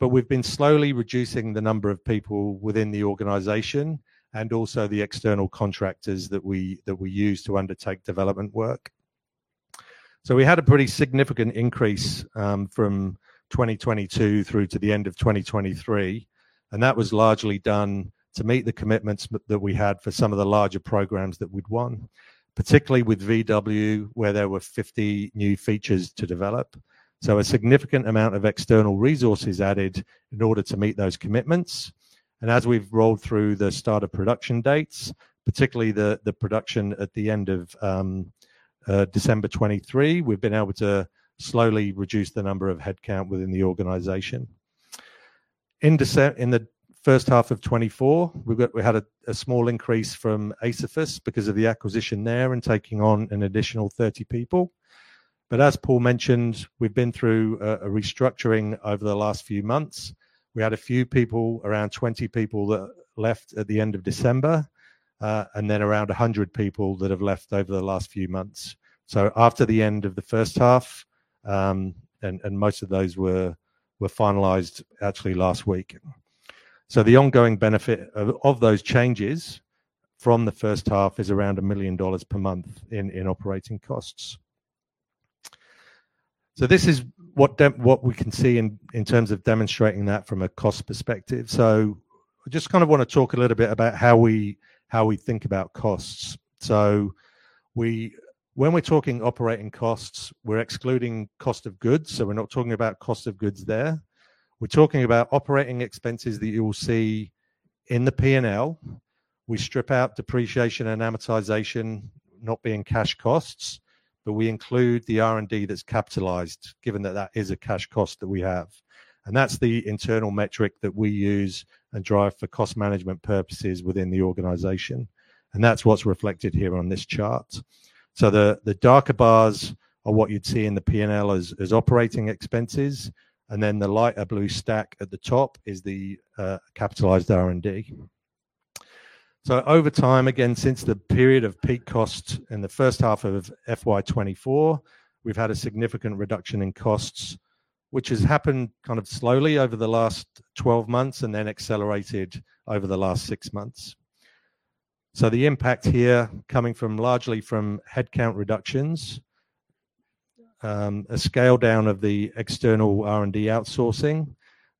We have been slowly reducing the number of people within the organization and also the external contractors that we use to undertake development work. We had a pretty significant increase, from 2022 through to the end of 2023, and that was largely done to meet the commitments that we had for some of the larger programs that we'd won, particularly with VW, where there were 50 new features to develop. A significant amount of external resources added in order to meet those commitments. As we've rolled through the start of production dates, particularly the production at the end of December 2023, we've been able to slowly reduce the number of headcount within the organization. In December, in the first half of 2024, we had a small increase from ACE because of the acquisition there and taking on an additional 30 people. As Paul mentioned, we've been through a restructuring over the last few months. We had a few people, around 20 people that left at the end of December, and then around 100 people that have left over the last few months. After the end of the first half, most of those were finalized actually last week. The ongoing benefit of those changes from the first half is around $1 million per month in operating costs. This is what we can see in terms of demonstrating that from a cost perspective. I just kind of want to talk a little bit about how we think about costs. When we're talking operating costs, we're excluding cost of goods. We're not talking about cost of goods there. We're talking about operating expenses that you'll see in the P&L. We strip out depreciation and amortization not being cash costs, but we include the R&D that's capitalized, given that that is a cash cost that we have. That is the internal metric that we use and drive for cost management purposes within the organization. That is what's reflected here on this chart. The darker bars are what you'd see in the P&L as operating expenses, and then the lighter blue stack at the top is the capitalized R&D. Over time, again, since the period of peak cost in the first half of FY 2024, we've had a significant reduction in costs, which has happened kind of slowly over the last 12 months and then accelerated over the last six months. The impact here coming from largely from headcount reductions, a scale down of the external R&D outsourcing.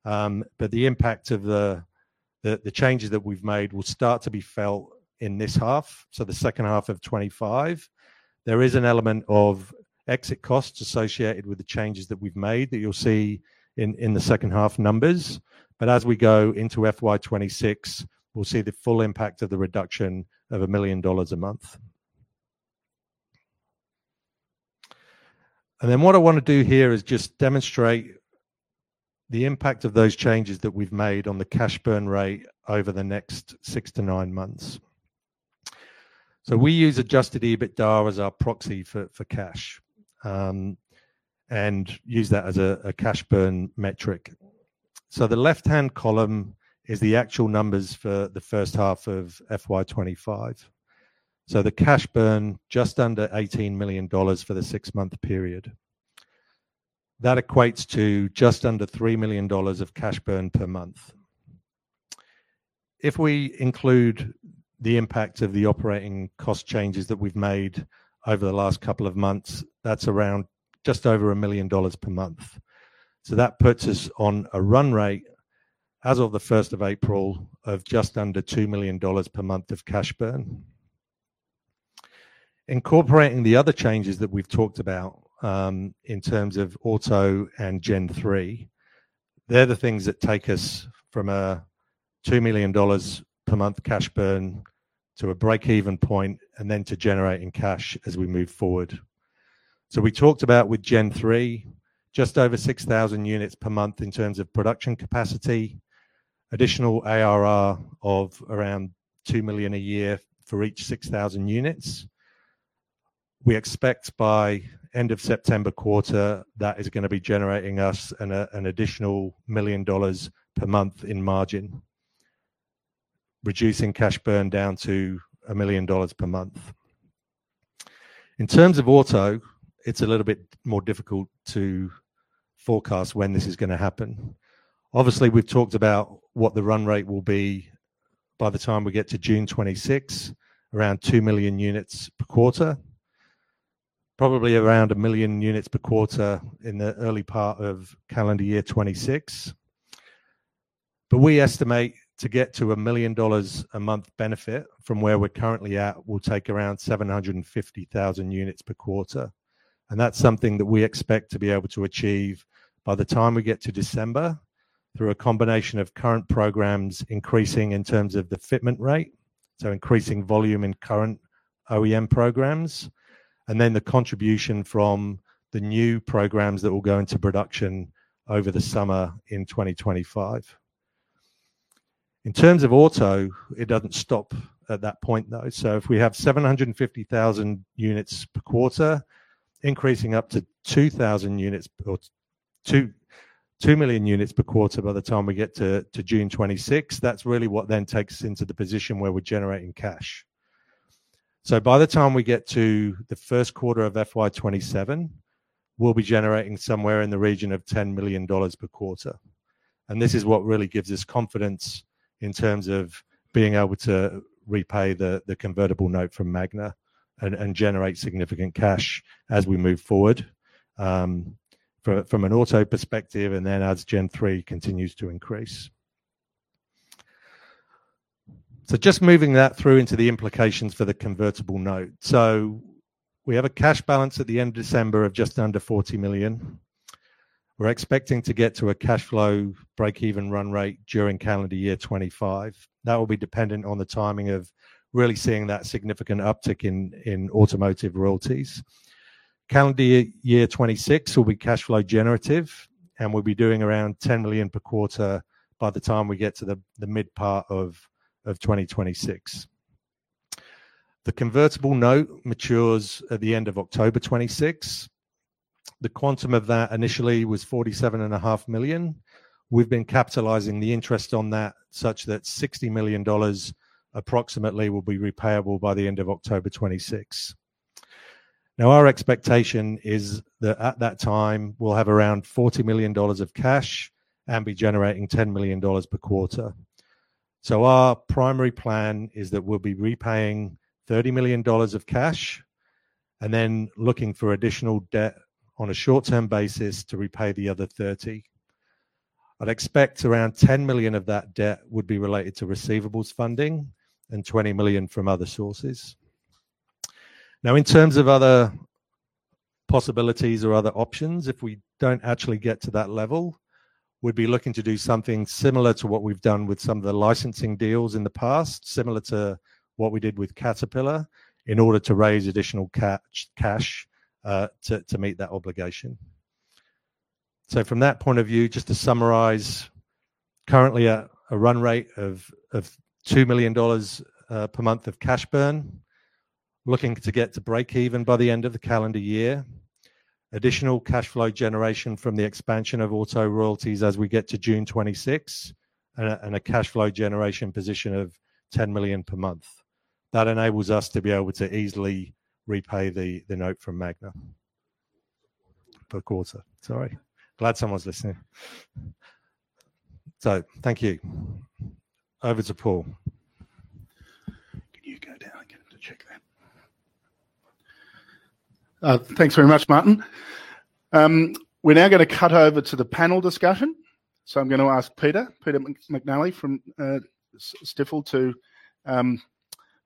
The impact of the, the changes that we've made will start to be felt in this half. The second half of 2025, there is an element of exit costs associated with the changes that we've made that you'll see in the second half numbers. As we go into FY 2026, we'll see the full impact of the reduction of $1 million a month. What I want to do here is just demonstrate the impact of those changes that we've made on the cash burn rate over the next six to nine months. We use adjusted EBITDA as our proxy for cash, and use that as a cash burn metric. The left-hand column is the actual numbers for the first half of FY 2025. The cash burn just under $18 million for the six-month period, that equates to just under $3 million of cash burn per month. If we include the impact of the operating cost changes that we've made over the last couple of months, that's around just over $1 million per month. That puts us on a run rate as of the first of April of just under $2 million per month of cash burn. Incorporating the other changes that we've talked about, in terms of auto and Gen 3, they're the things that take us from a $2 million per month cash burn to a break-even point and then to generating cash as we move forward. We talked about with Gen 3, just over 6,000 units per month in terms of production capacity, additional ARR of around $2 million a year for each 6,000 units. We expect by end of September quarter, that is gonna be generating us an additional $1 million per month in margin, reducing cash burn down to $1 million per month. In terms of auto, it's a little bit more difficult to forecast when this is gonna happen. Obviously, we've talked about what the run rate will be by the time we get to June 2026, around 2 million units per quarter, probably around 1 million units per quarter in the early part of calendar year 2026. We estimate to get to a $1 million a month benefit from where we're currently at will take around 750,000 units per quarter. That is something that we expect to be able to achieve by the time we get to December through a combination of current programs increasing in terms of the fitment rate, so increasing volume in current OEM programs, and then the contribution from the new programs that will go into production over the summer in 2025. In terms of auto, it does not stop at that point though. If we have 750,000 units per quarter, increasing up to 2 million units per quarter by the time we get to June 2026, that is really what then takes us into the position where we are generating cash. By the time we get to the first quarter of FY 2027, we will be generating somewhere in the region of $10 million per quarter. This is what really gives us confidence in terms of being able to repay the convertible note from Magna and generate significant cash as we move forward, from an auto perspective and then as Gen 3 continues to increase. Just moving that through into the implications for the convertible note. We have a cash balance at the end of December of just under $40 million. We're expecting to get to a cash flow break-even run rate during calendar year 2025. That will be dependent on the timing of really seeing that significant uptick in automotive royalties. Calendar year 2026 will be cash flow generative and we'll be doing around $10 million per quarter by the time we get to the mid part of 2026. The convertible note matures at the end of October 2026. The quantum of that initially was $47.5 million. We've been capitalizing the interest on that such that $60 million approximately will be repayable by the end of October 2026. Our expectation is that at that time we'll have around $40 million of cash and be generating $10 million per quarter. Our primary plan is that we'll be repaying $30 million of cash and then looking for additional debt on a short-term basis to repay the other $30 million. I'd expect around $10 million of that debt would be related to receivables funding and $20 million from other sources. Now, in terms of other possibilities or other options, if we do not actually get to that level, we would be looking to do something similar to what we have done with some of the licensing deals in the past, similar to what we did with Caterpillar in order to raise additional cash, to meet that obligation. From that point of view, just to summarize, currently a run rate of $2 million per month of cash burn, looking to get to break-even by the end of the calendar year, additional cash flow generation from the expansion of auto royalties as we get to June 2026, and a cash flow generation position of $10 million per month. That enables us to be able to easily repay the note from Magna per quarter. Sorry, glad someone is listening. Thank you. Over to Paul. Can you go down and get him to check that? Thanks very much, Martin. We're now gonna cut over to the panel discussion. I'm gonna ask Peter, Peter McNally from Stifel, to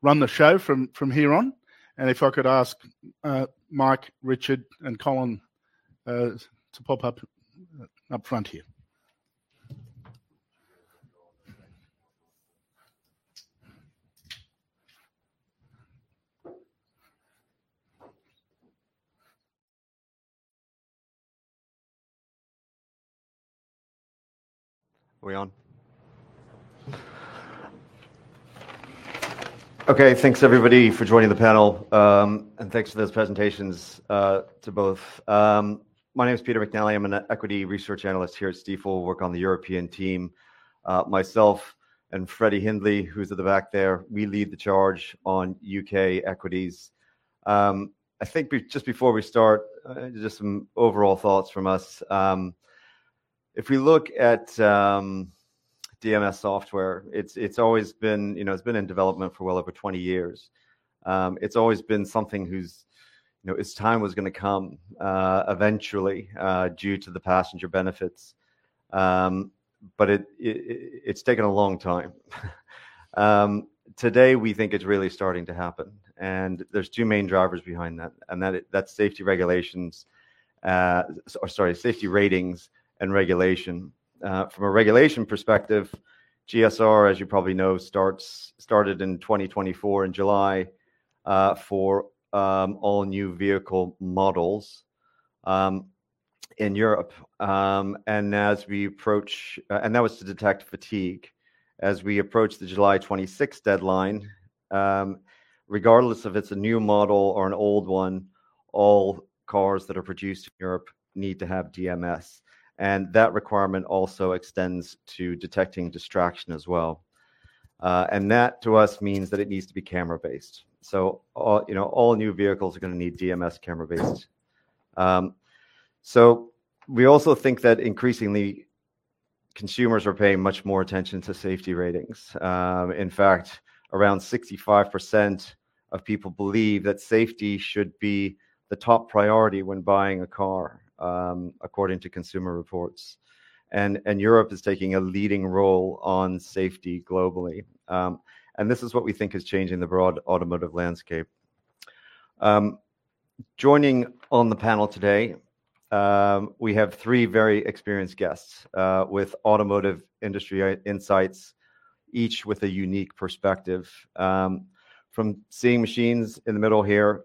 run the show from here on. If I could ask Mike, Richard, and Colin to pop up, up front here. Are we on? Okay. Thanks everybody for joining the panel, and thanks for those presentations, to both. My name's Peter McNally. I'm an equity research analyst here at Stifel. Work on the European team. Myself and Freddie Hindley, who's at the back there, we lead the charge on U.K. equities. I think just before we start, just some overall thoughts from us. If we look at DMS software, it's, it's always been, you know, it's been in development for well over 20 years. It's always been something who's, you know, its time was gonna come, eventually, due to the passenger benefits. But it, it, it's taken a long time. Today we think it's really starting to happen. There are two main drivers behind that, and that, that's safety ratings and regulation. From a regulation perspective, GSR, as you probably know, started in 2024 in July, for all new vehicle models in Europe. As we approach, and that was to detect fatigue. As we approach the July 26th deadline, regardless of if it's a new model or an old one, all cars that are produced in Europe need to have DMS. That requirement also extends to detecting distraction as well. That to us means that it needs to be camera-based. You know, all new vehicles are gonna need DMS camera-based. We also think that increasingly consumers are paying much more attention to safety ratings. In fact, around 65% of people believe that safety should be the top priority when buying a car, according to Consumer Reports. Europe is taking a leading role on safety globally. This is what we think is changing the broad automotive landscape. Joining on the panel today, we have three very experienced guests, with automotive industry insights, each with a unique perspective. From Seeing Machines in the middle here,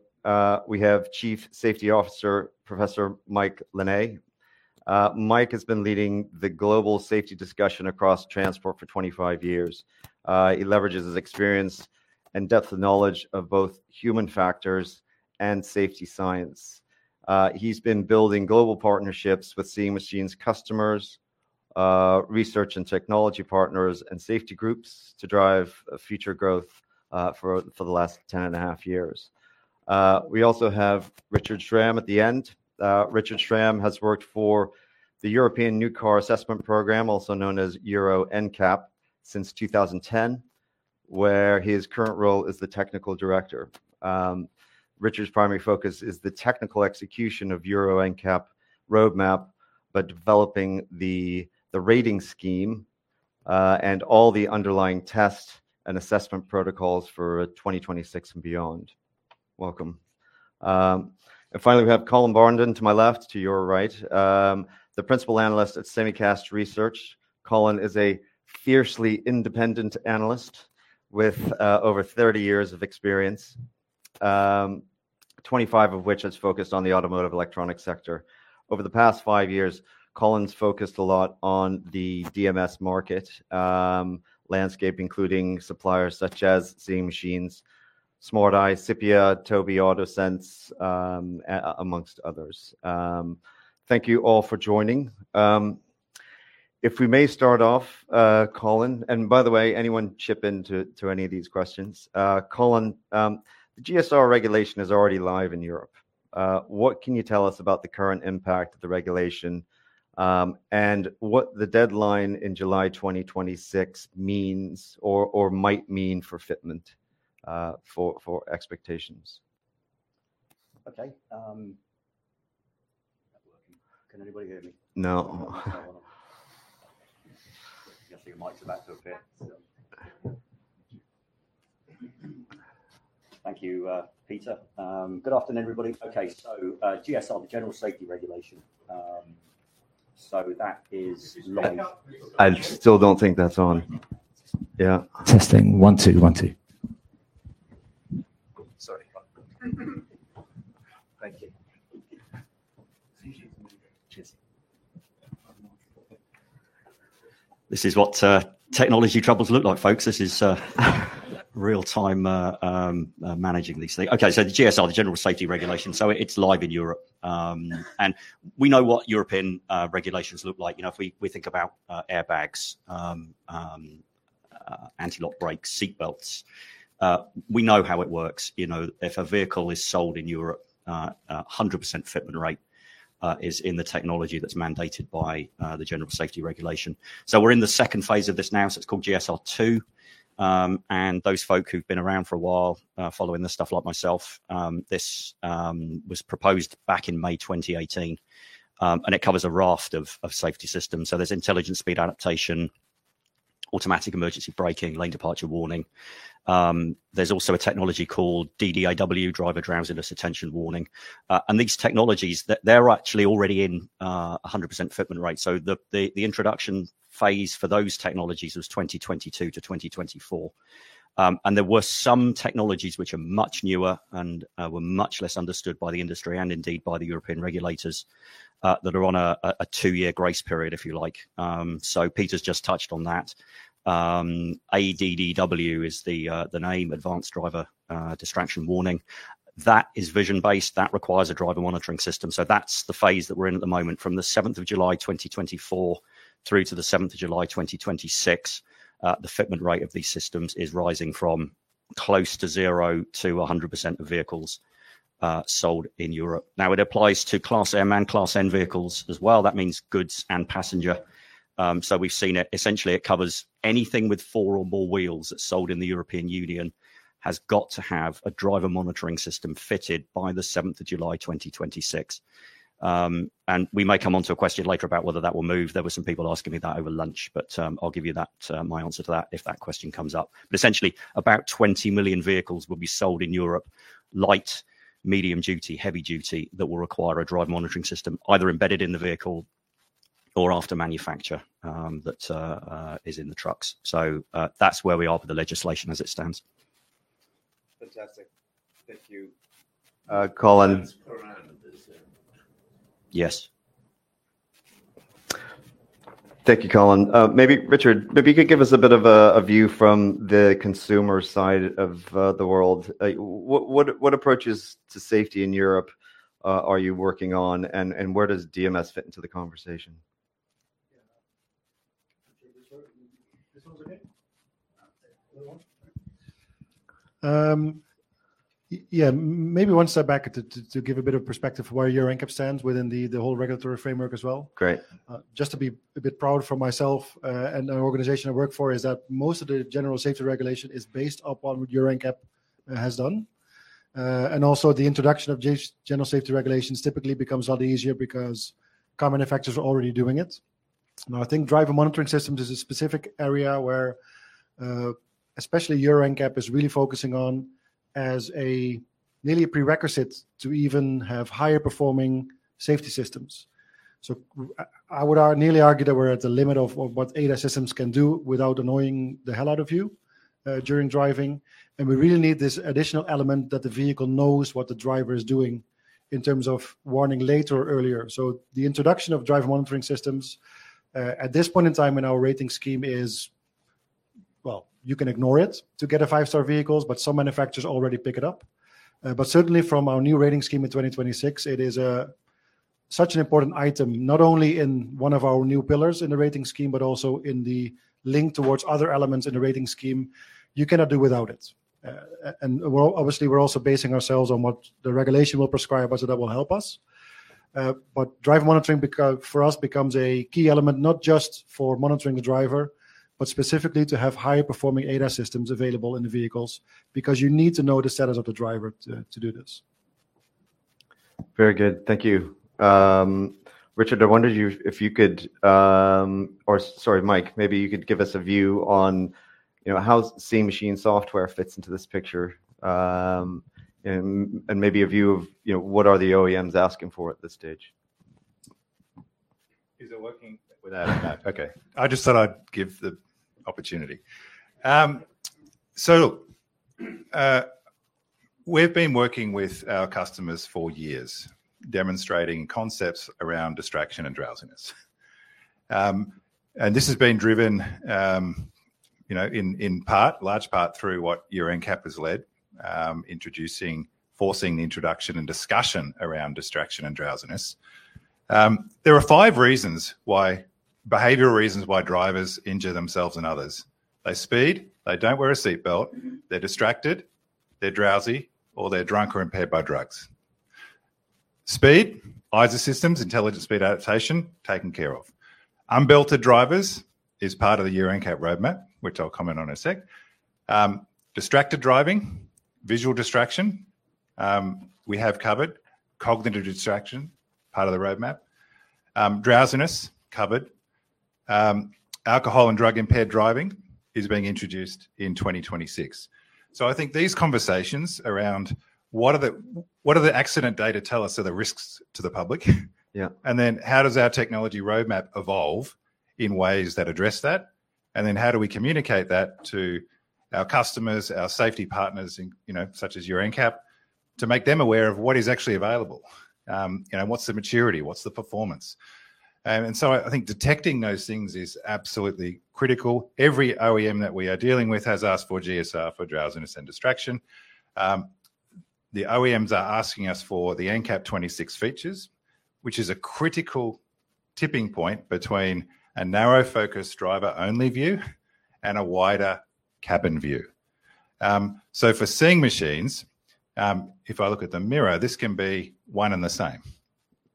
we have Chief Safety Officer, Professor Mike Lenné. Mike has been leading the global safety discussion across transport for 25 years. He leverages his experience and depth of knowledge of both human factors and safety science. He's been building global partnerships with Seeing Machines customers, research and technology partners, and safety groups to drive future growth for the last 10 and a half years. We also have Richard Schram at the end. Richard Schram has worked for the European New Car Assessment Programme, also known as Euro NCAP, since 2010, where his current role is the Technical Director. Richard's primary focus is the technical execution of the Euro NCAP roadmap, but developing the rating scheme, and all the underlying test and assessment protocols for 2026 and beyond. Welcome. Finally, we have Colin Barndon to my left, to your right, the Principal Analyst at Semicast Research. Colin is a fiercely independent analyst with over 30 years of experience, 25 of which has focused on the automotive electronic sector. Over the past five years, Colin's focused a lot on the DMS market, landscape, including suppliers such as Seeing Machines, SmartEye, SIPIA, Tobii AutoSense, amongst others. Thank you all for joining. If we may start off, Colin, and by the way, anyone chip in to any of these questions? Colin, the GSR regulation is already live in Europe. What can you tell us about the current impact of the regulation, and what the deadline in July 2026 means or, or might mean for fitment, for, for expectations? Okay. Can anybody hear me? No. I guess your mic's about to fit. Thank you. Peter, good afternoon, everybody. Okay. GSR, the General Safety Regulation. That is live. I still don't think that's on. Yeah. Testing. One, two, one, two. Sorry. Thank you. Cheers. This is what technology troubles look like, folks. This is real time, managing these things. Okay. The GSR, the general safety regulation, is live in Europe. You know what European regulations look like. You know, if we think about airbags, anti-lock brakes, seat belts, we know how it works. You know, if a vehicle is sold in Europe, 100% fitment rate is in the technology that's mandated by the general safety regulation. We're in the second phase of this now, so it's called GSR 2. Those folk who've been around for a while, following this stuff like myself, this was proposed back in May 2018, and it covers a raft of safety systems. There's intelligent speed adaptation, automatic emergency braking, lane departure warning. There's also a technology called DDIW, driver drowsiness attention warning. These technologies, they're actually already in, 100% fitment rate. The introduction phase for those technologies was 2022 to 2024. There were some technologies which are much newer and were much less understood by the industry and indeed by the European regulators, that are on a two-year grace period, if you like. Peter's just touched on that. ADDW is the name, advanced driver distraction warning. That is vision-based. That requires a driver monitoring system. That's the phase that we're in at the moment from the 7th of July, 2024, through to the 7th of July, 2026. The fitment rate of these systems is rising from close to zero to 100% of vehicles sold in Europe. Now, it applies to class M and class N vehicles as well. That means goods and passenger. We've seen it essentially, it covers anything with four or more wheels that's sold in the European Union has got to have a driver monitoring system fitted by the 7th of July, 2026. We may come onto a question later about whether that will move. There were some people asking me that over lunch, but I'll give you my answer to that if that question comes up. Essentially, about 20 million vehicles will be sold in Europe, light, medium duty, heavy duty that will require a driver monitoring system either embedded in the vehicle or after manufacture, that is in the trucks. That's where we are for the legislation as it stands. Fantastic. Thank you. Colin. Yes. Thank you, Colin. Maybe Richard, maybe you could give us a bit of a view from the consumer side of the world. What approaches to safety in Europe are you working on, and where does DMS fit into the conversation? Maybe one step back to give a bit of perspective for where Euro NCAP stands within the whole regulatory framework as well. Just to be a bit proud for myself and the organization I work for is that most of the General Safety Regulation is based upon what Euro NCAP has done. Also, the introduction of General Safety Regulations typically becomes a lot easier because common factors are already doing it. I think driver monitoring systems is a specific area where especially Euro NCAP is really focusing on as nearly a prerequisite to even have higher performing safety systems. I would nearly argue that we're at the limit of what ADAS systems can do without annoying the hell out of you during driving. We really need this additional element that the vehicle knows what the driver is doing in terms of warning later or earlier. The introduction of driver monitoring systems at this point in time in our rating scheme is, well, you can ignore it to get a five-star vehicle, but some manufacturers already pick it up. Certainly from our new rating scheme in 2026, it is such an important item, not only in one of our new pillars in the rating scheme, but also in the link towards other elements in the rating scheme. You cannot do without it. We are obviously also basing ourselves on what the regulation will prescribe us that will help us. But driver monitoring because for us becomes a key element, not just for monitoring the driver, but specifically to have higher performing ADAS systems available in the vehicles because you need to know the status of the driver to, to do this. Very good. Thank you. Richard, I wondered you if you could, or sorry, Mike, maybe you could give us a view on, you know, how Seeing Machines software fits into this picture. And, and maybe a view of, you know, what are the OEMs asking for at this stage? Is it working without a Mic? Okay. I just thought I'd give the opportunity. So, we've been working with our customers for years demonstrating concepts around distraction and drowsiness. And this has been driven, you know, in, in part, large part through what Euro NCAP has led, introducing, forcing the introduction and discussion around distraction and drowsiness. There are five reasons why, behavioral reasons why, drivers injure themselves and others. They speed, they do not wear a seat belt, they are distracted, they are drowsy, or they are drunk or impaired by drugs. Speed, eyes-off systems, intelligent speed adaptation taken care of. Unbelted drivers is part of the Euro NCAP roadmap, which I will comment on in a sec. Distracted driving, visual distraction, we have covered. Cognitive distraction, part of the roadmap. Drowsiness covered. Alcohol and drug impaired driving is being introduced in 2026. I think these conversations around what are the, what do the accident data tell us are the risks to the public? Yeah. Then how does our technology roadmap evolve in ways that address that? Then how do we communicate that to our customers, our safety partners, you know, such as Euro NCAP, to make them aware of what is actually available? You know, what's the maturity? What's the performance? And, and so I think detecting those things is absolutely critical. Every OEM that we are dealing with has asked for GSR for drowsiness and distraction. The OEMs are asking us for the NCAP 26 features, which is a critical tipping point between a narrow focus driver-only view and a wider cabin view. For Seeing Machines, if I look at the mirror, this can be one and the same.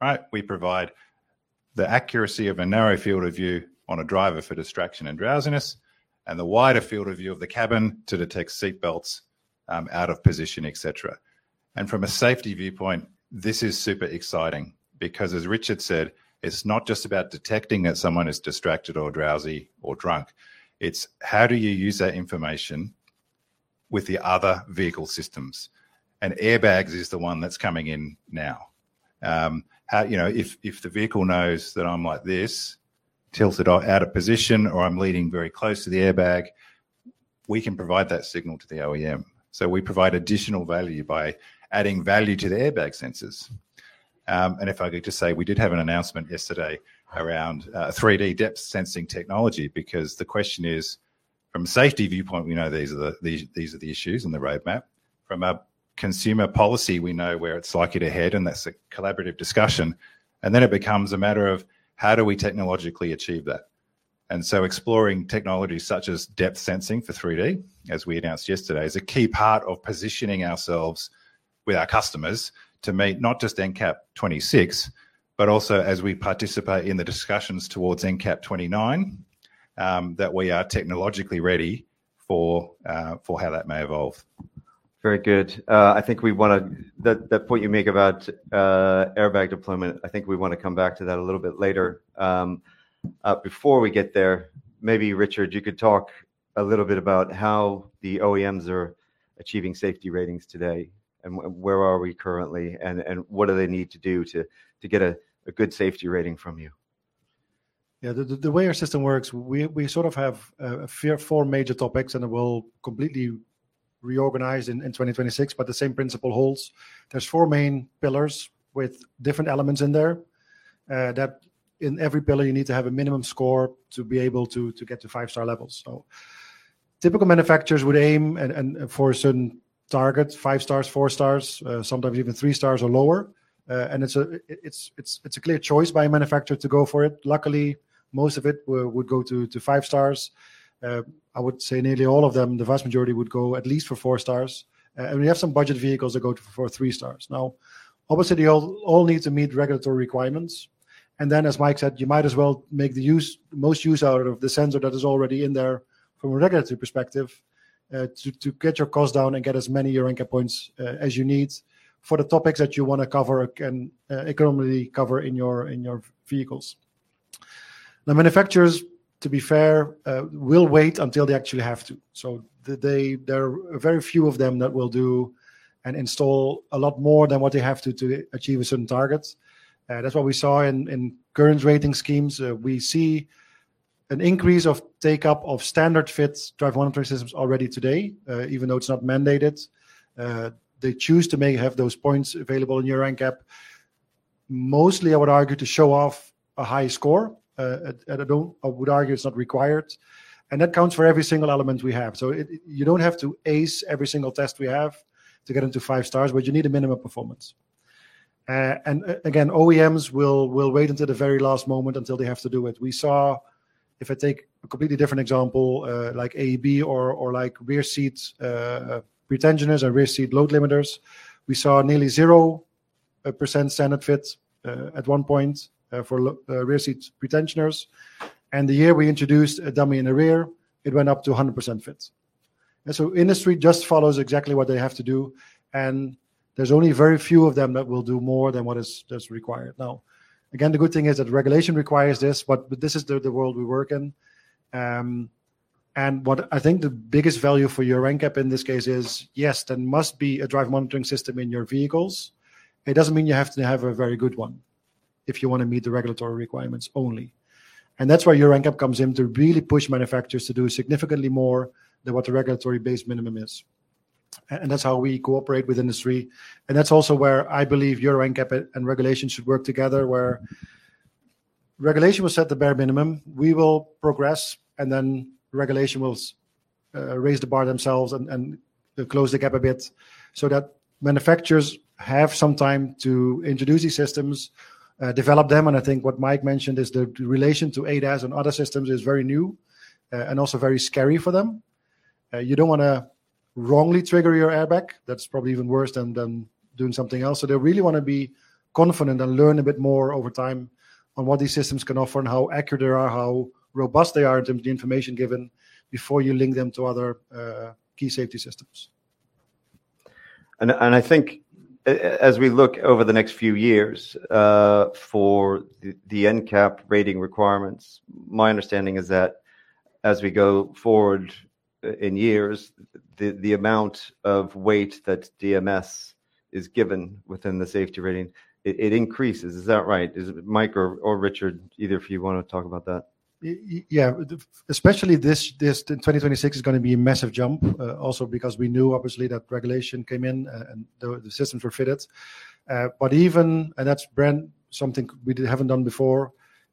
Right? We provide the accuracy of a narrow field of view on a driver for distraction and drowsiness and the wider field of view of the cabin to detect seat belts, out of position, et cetera. From a safety viewpoint, this is super exciting because as Richard said, it's not just about detecting that someone is distracted or drowsy or drunk. It's how do you use that information with the other vehicle systems? Airbags is the one that's coming in now. How, you know, if the vehicle knows that I'm like this, tilted out of position, or I'm leaning very close to the airbag, we can provide that signal to the OEM. We provide additional value by adding value to the airbag sensors. If I could just say, we did have an announcement yesterday around 3D depth sensing technology, because the question is from a safety viewpoint, we know these are the issues in the roadmap. From a consumer policy, we know where it's likely to head, and that's a collaborative discussion. It becomes a matter of how do we technologically achieve that? Exploring technologies such as depth sensing for 3D, as we announced yesterday, is a key part of positioning ourselves with our customers to meet not just NCAP 26, but also as we participate in the discussions towards NCAP 29, that we are technologically ready for, for how that may evolve. Very good. I think we want to, that point you make about airbag deployment, I think we want to come back to that a little bit later. Before we get there, maybe Richard, you could talk a little bit about how the OEMs are achieving safety ratings today and where are we currently and what do they need to do to get a good safety rating from you? Yeah, the way our system works, we sort of have four major topics and it will completely reorganize in 2026, but the same principle holds. There are four main pillars with different elements in there, that in every pillar you need to have a minimum score to be able to get to five-star levels. Typical manufacturers would aim for a certain target, five stars, four stars, sometimes even three stars or lower. It's a clear choice by a manufacturer to go for it. Luckily, most of them would go to five stars. I would say nearly all of them, the vast majority would go at least for four stars. We have some budget vehicles that go for three stars. Now, obviously they all need to meet regulatory requirements. As Mike said, you might as well make the most use out of the sensor that is already in there from a regulatory perspective, to get your cost down and get as many Euro NCAP points as you need for the topics that you want to cover and economically cover in your vehicles. Manufacturers, to be fair, will wait until they actually have to. There are very few of them that will do and install a lot more than what they have to, to achieve a certain target. That's what we saw in current rating schemes. We see an increase of take up of standard fit Driver Monitoring Systems already today, even though it's not mandated. They choose to maybe have those points available in Euro NCAP. Mostly, I would argue to show off a high score, at a, I would argue it's not required. That counts for every single element we have. You don't have to ace every single test we have to get into five stars, but you need a minimum performance. Again, OEMs will wait until the very last moment until they have to do it. We saw, if I take a completely different example, like AEB or like rear seat pretensioners or rear seat load limiters, we saw nearly 0% standard fit at one point for rear seat pretensioners. The year we introduced a dummy in the rear, it went up to 100% fit. Industry just follows exactly what they have to do. There are only very few of them that will do more than what is required. Now, again, the good thing is that regulation requires this, but this is the world we work in. What I think the biggest value for Euro NCAP in this case is, yes, there must be a driver monitoring system in your vehicles. It doesn't mean you have to have a very good one if you want to meet the regulatory requirements only. That's where Euro NCAP comes in to really push manufacturers to do significantly more than what the regulatory base minimum is. That's how we cooperate with industry. That's also where I believe Euro NCAP and regulation should work together, where regulation was set at the bare minimum. We will progress and then regulation will raise the bar themselves and close the gap a bit so that manufacturers have some time to introduce these systems, develop them. I think what Mike mentioned is the relation to ADAS and other systems is very new, and also very scary for them. You do not want to wrongly trigger your airbag. That is probably even worse than doing something else. They really want to be confident and learn a bit more over time on what these systems can offer and how accurate they are, how robust they are in terms of the information given before you link them to other key safety systems. I think as we look over the next few years, for the income rating requirements, my understanding is that as we go forward in years, the amount of weight that DMS is given within the safety rating increases. Is that right? Is it Mike or Richard, either of you want to talk about that? Yeah, especially this, this 2026 is gonna be a massive jump, also because we knew obviously that regulation came in, and the systems were fitted. Even, and that's Brent, something we haven't done before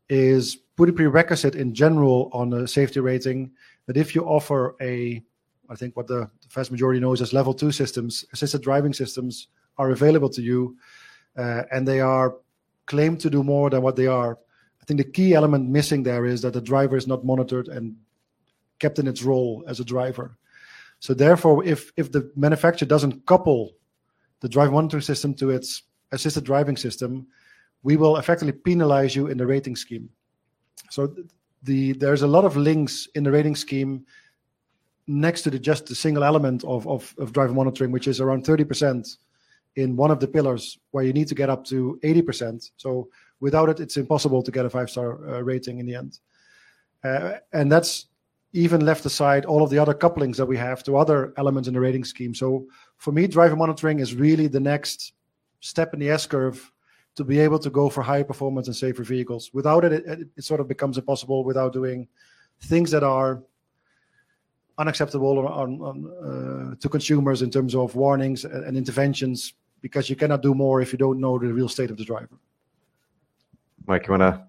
is put a prerequisite in general on a safety rating that if you offer a, I think what the vast majority knows as level two systems, assisted driving systems are available to you, and they are claimed to do more than what they are. I think the key element missing there is that the driver is not monitored and kept in its role as a driver. Therefore, if the manufacturer doesn't couple the driver monitoring system to its assisted driving system, we will effectively penalize you in the rating scheme. There is a lot of links in the rating scheme next to just the single element of driver monitoring, which is around 30% in one of the pillars where you need to get up to 80%. Without it, it's impossible to get a five-star rating in the end. That's even left aside all of the other couplings that we have to other elements in the rating scheme. For me, driver monitoring is really the next step in the S curve to be able to go for higher performance and safer vehicles. Without it, it sort of becomes impossible without doing things that are unacceptable to consumers in terms of warnings and interventions because you cannot do more if you don't know the real state of the driver. Mike, you wanna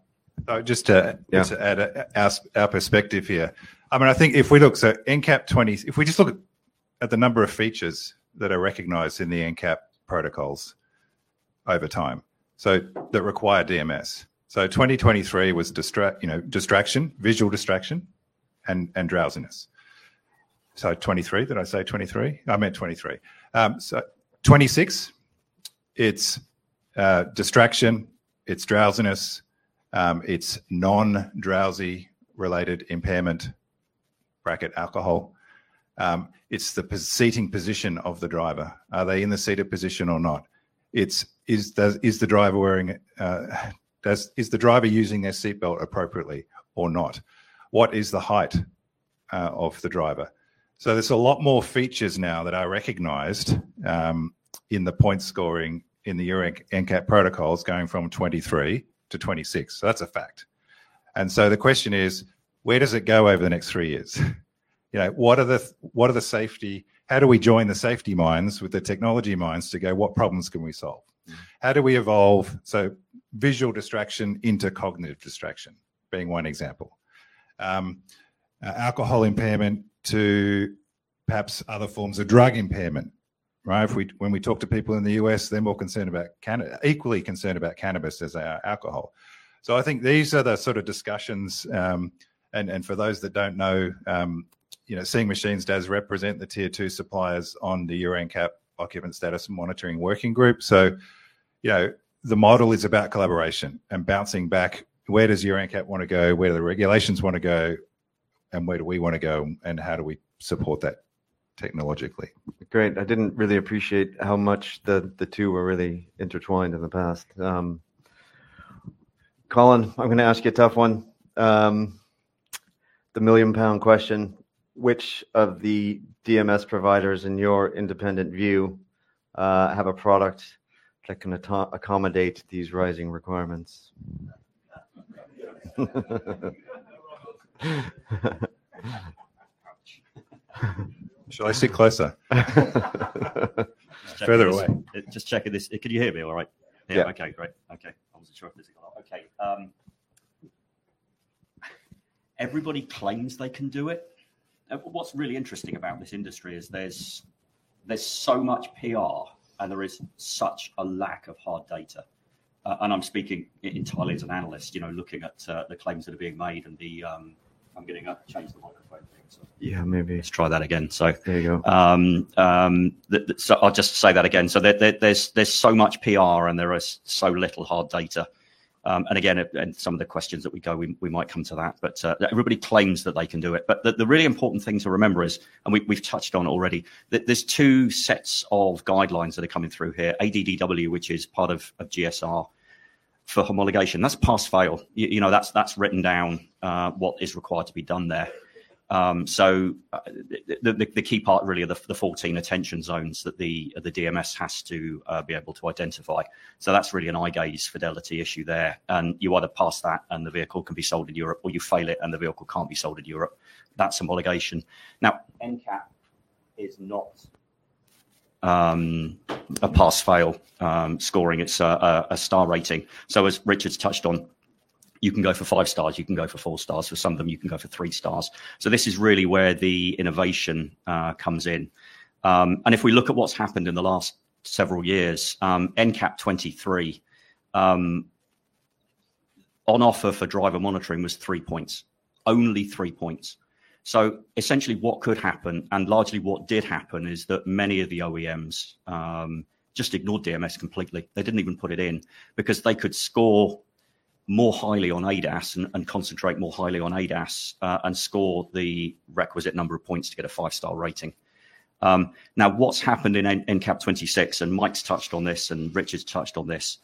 just to, just to add, add a, a perspective here.I mean, I think if we look, so income 2020, if we just look at the number of features that are recognized in the income protocols over time so that require DMS. 2023 was distract, you know, distraction, visual distraction and, and drowsiness. 2023, did I say 2023? I meant 2023. 2026, it's, distraction, it's drowsiness, it's non-drowsy related impairment, bracket alcohol. It's the seating position of the driver. Are they in the seated position or not? It's, is does, is the driver wearing, does, is the driver using their seat belt appropriately or not? What is the height, of the driver? There are a lot more features now that are recognized, in the point scoring in the Euro NCAP protocols going from 2023 to 2026. That's a fact. The question is, where does it go over the next three years? You know, what are the, what are the safety, how do we join the safety minds with the technology minds to go, what problems can we solve? How do we evolve? Visual distraction into cognitive distraction being one example. Alcohol impairment to perhaps other forms of drug impairment, right? If we, when we talk to people in the U.S., they're more concerned about cannabis, equally concerned about cannabis as they are alcohol. I think these are the sort of discussions, and for those that don't know, you know, Seeing Machines does represent the tier two suppliers on the Euro NCAP occupant status and monitoring working group. You know, the model is about collaboration and bouncing back. Where does Euro NCAP want to go? Where do the regulations want to go? Where do we wanna go and how do we support that technologically? Great. I didn't really appreciate how much the two were really intertwined in the past. Colin, I'm gonna ask you a tough one. The million pound question, which of the DMS providers in your independent view have a product that can accommodate these rising requirements? Shall I sit closer? Just check it. Just check it. Could you hear me all right? Yeah. Okay. Great. Okay. I wasn't sure if this is gonna work. Okay. Everybody claims they can do it. What's really interesting about this industry is there's so much PR and there is such a lack of hard data. I'm speaking entirely as an analyst, you know, looking at the claims that are being made and the, I'm getting a change to my thing. So yeah, maybe let's try that again. There you go. I'll just say that again. There is so much PR and there is so little hard data. Again, some of the questions that we go, we might come to that, but everybody claims that they can do it. The really important thing to remember is, and we've touched on it already, that there are two sets of guidelines that are coming through here: ADDW, which is part of GSR for homologation. That's pass fail. You know, that's written down, what is required to be done there. The key part really is the 14 attention zones that the DMS has to be able to identify. That's really an eye gaze fidelity issue there. You either pass that and the vehicle can be sold in Europe, or you fail it and the vehicle can't be sold in Europe. That's homologation. Now, Euro NCAP is not a pass fail scoring. It's a star rating. As Richard's touched on, you can go for five stars, you can go for four stars. For some of them, you can go for three stars. This is really where the innovation comes in. If we look at what's happened in the last several years, Euro NCAP 2023, on offer for driver monitoring was three points, only three points. Essentially what could happen, and largely what did happen is that many of the OEMs just ignored DMS completely. They did not even put it in because they could score more highly on ADAS and concentrate more highly on ADAS, and score the requisite number of points to get a five-star rating. Now, what has happened in CAP 26, and Mike's touched on this and Richard's touched on this,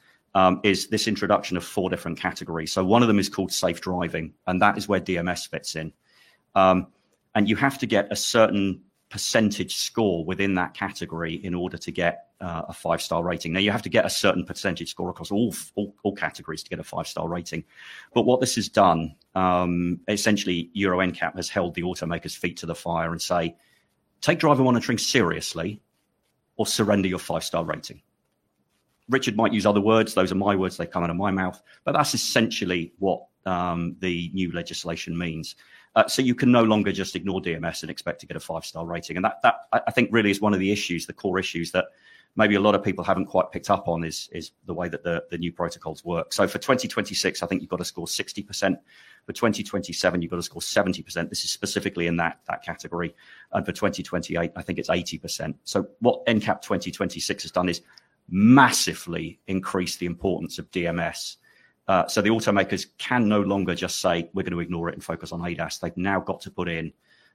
is this introduction of four different categories. One of them is called safe driving, and that is where DMS fits in. You have to get a certain % score within that category in order to get a five-star rating. Now you have to get a certain % score across all categories to get a five-star rating. What this has done, essentially Euro NCAP has held the automakers' feet to the fire and said, take driver monitoring seriously or surrender your five-star rating. Richard might use other words. Those are my words. They've come outta my mouth, but that's essentially what the new legislation means. You can no longer just ignore DMS and expect to get a five-star rating. That, I think, really is one of the issues, the core issues that maybe a lot of people haven't quite picked up on, is the way that the new protocols work. For 2026, I think you've gotta score 60%. For 2027, you've gotta score 70%. This is specifically in that category. For 2028, I think it's 80%. What in 2026 has done is massively increased the importance of DMS. The automakers can no longer just say, we're gonna ignore it and focus on ADAS. They've now got to put in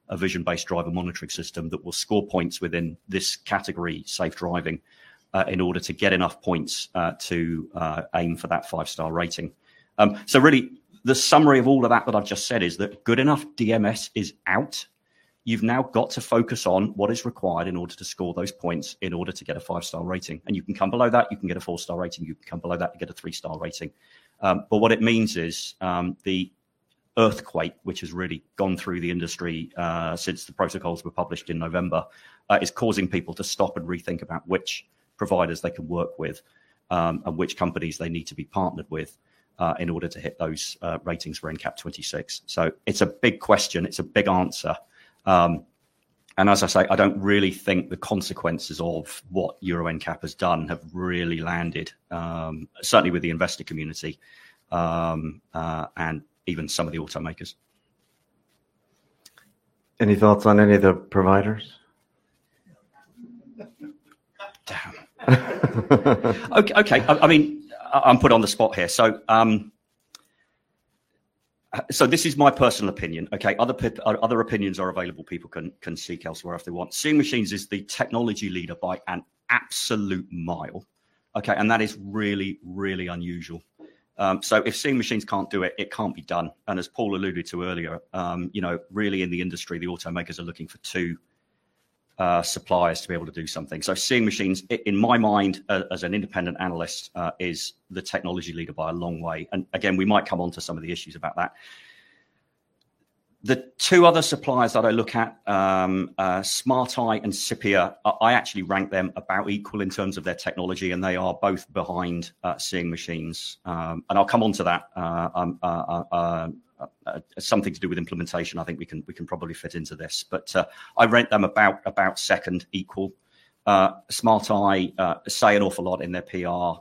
a vision-based driver monitoring system that will score points within this category, safe driving, in order to get enough points to aim for that five-star rating. Really the summary of all of that that I've just said is that good enough DMS is out. You've now got to focus on what is required in order to score those points in order to get a five-star rating. You can come below that, you can get a four-star rating. You can come below that, you get a three-star rating. What it means is, the earthquake, which has really gone through the industry since the protocols were published in November, is causing people to stop and rethink about which providers they can work with, and which companies they need to be partnered with, in order to hit those ratings for income 2026. It's a big question. It's a big answer. As I say, I don't really think the consequences of what Euro NCAP has done have really landed, certainly with the investor community, and even some of the automakers. Any thoughts on any of the providers? Damn. Okay. I mean, I'm put on the spot here. This is my personal opinion. Other opinions are available. People can seek elsewhere if they want. Seeing Machines is the technology leader by an absolute mile. That is really, really unusual. If Seeing Machines can't do it, it can't be done. As Paul alluded to earlier, you know, really in the industry, the automakers are looking for two suppliers to be able to do something. Seeing Machines, in my mind, as an independent analyst, is the technology leader by a long way. We might come onto some of the issues about that. The two other suppliers that I look at, SmartEye and Cipia, I actually rank them about equal in terms of their technology, and they are both behind Seeing Machines. I'll come onto that, something to do with implementation. I think we can probably fit into this, but I rank them about second equal. SmartEye say an awful lot in their PR.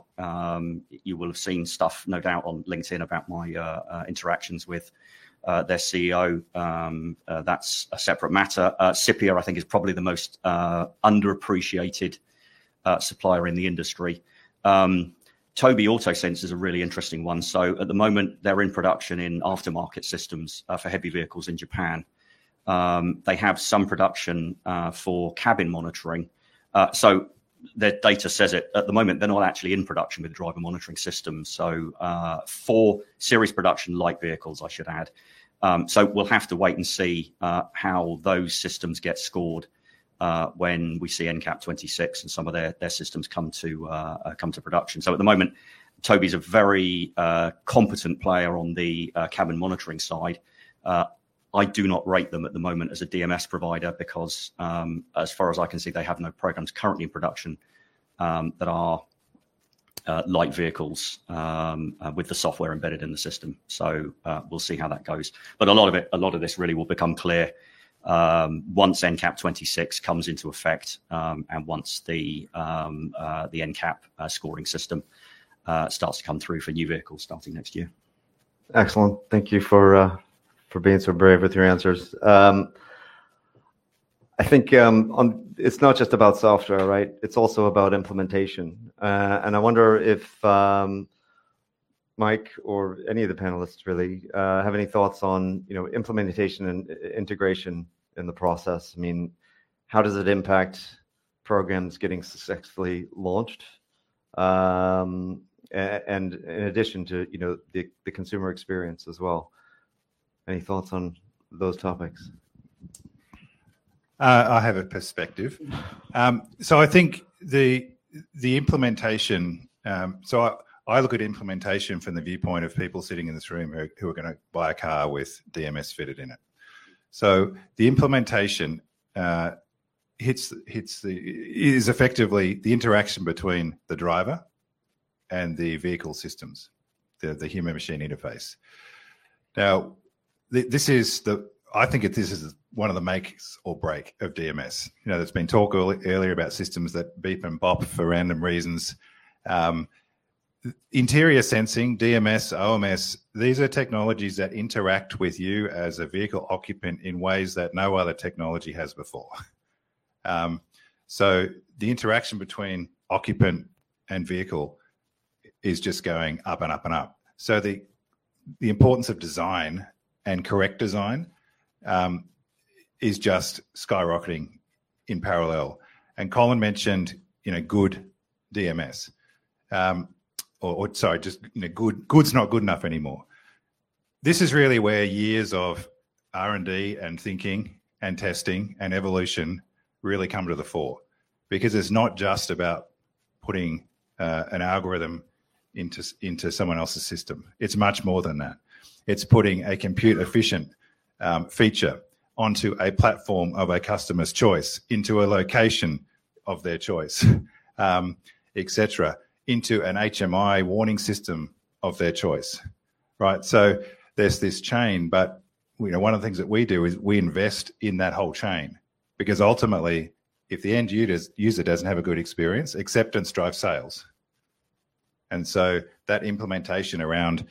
You will have seen stuff, no doubt, on LinkedIn about my interactions with their CEO. That's a separate matter. Cipia, I think, is probably the most underappreciated supplier in the industry. Tobii AutoSense is a really interesting one. At the moment, they're in production in aftermarket systems, for heavy vehicles in Japan. They have some production, for cabin monitoring. Their data says at the moment, they're not actually in production with the driver monitoring systems, for series production light vehicles, I should add. We'll have to wait and see how those systems get scored when we see in 2026 and some of their systems come to production. At the moment, Tobii's a very competent player on the cabin monitoring side. I do not rate them at the moment as a DMS provider because, as far as I can see, they have no programs currently in production that are light vehicles with the software embedded in the system. We'll see how that goes. A lot of this really will become clear once income 26 comes into effect, and once the income scoring system starts to come through for new vehicles starting next year. Excellent. Thank you for being so brave with your answers. I think it's not just about software, right? It's also about implementation. I wonder if Mike or any of the panelists really have any thoughts on, you know, implementation and integration in the process. I mean, how does it impact programs getting successfully launched? In addition to, you know, the consumer experience as well. Any thoughts on those topics? I have a perspective. I think the implementation, so I look at implementation from the viewpoint of people sitting in this room who are gonna buy a car with DMS fitted in it. The implementation hits, hits the, is effectively the interaction between the driver and the vehicle systems, the human machine interface. This is the, I think it, this is one of the make or break of DMS. You know, there's been talk earlier about systems that beep and bop for random reasons. Interior Sensing, DMS, OMS, these are technologies that interact with you as a vehicle occupant in ways that no other technology has before. The interaction between occupant and vehicle is just going up and up and up. The importance of design and correct design is just skyrocketing in parallel. Colin mentioned, you know, good DMS, or, or sorry, just, you know, good, good's not good enough anymore. This is really where years of R&D and thinking and testing and evolution really come to the fore because it's not just about putting an algorithm into someone else's system. It's much more than that. It's putting a compute efficient feature onto a platform of a customer's choice, into a location of their choice, et cetera, into an HMI warning system of their choice. Right? There is this chain, but you know, one of the things that we do is we invest in that whole chain because ultimately, if the end user doesn't have a good experience, acceptance drives sales. That implementation around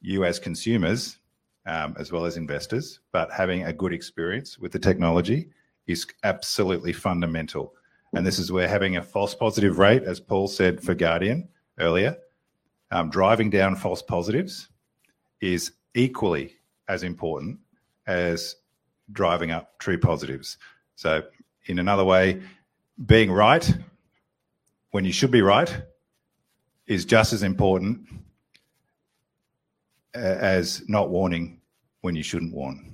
you as consumers, as well as investors, but having a good experience with the technology is absolutely fundamental. This is where having a false positive rate, as Paul said for Guardian earlier, driving down false positives is equally as important as driving up true positives. In another way, being right when you should be right is just as important as not warning when you should not warn.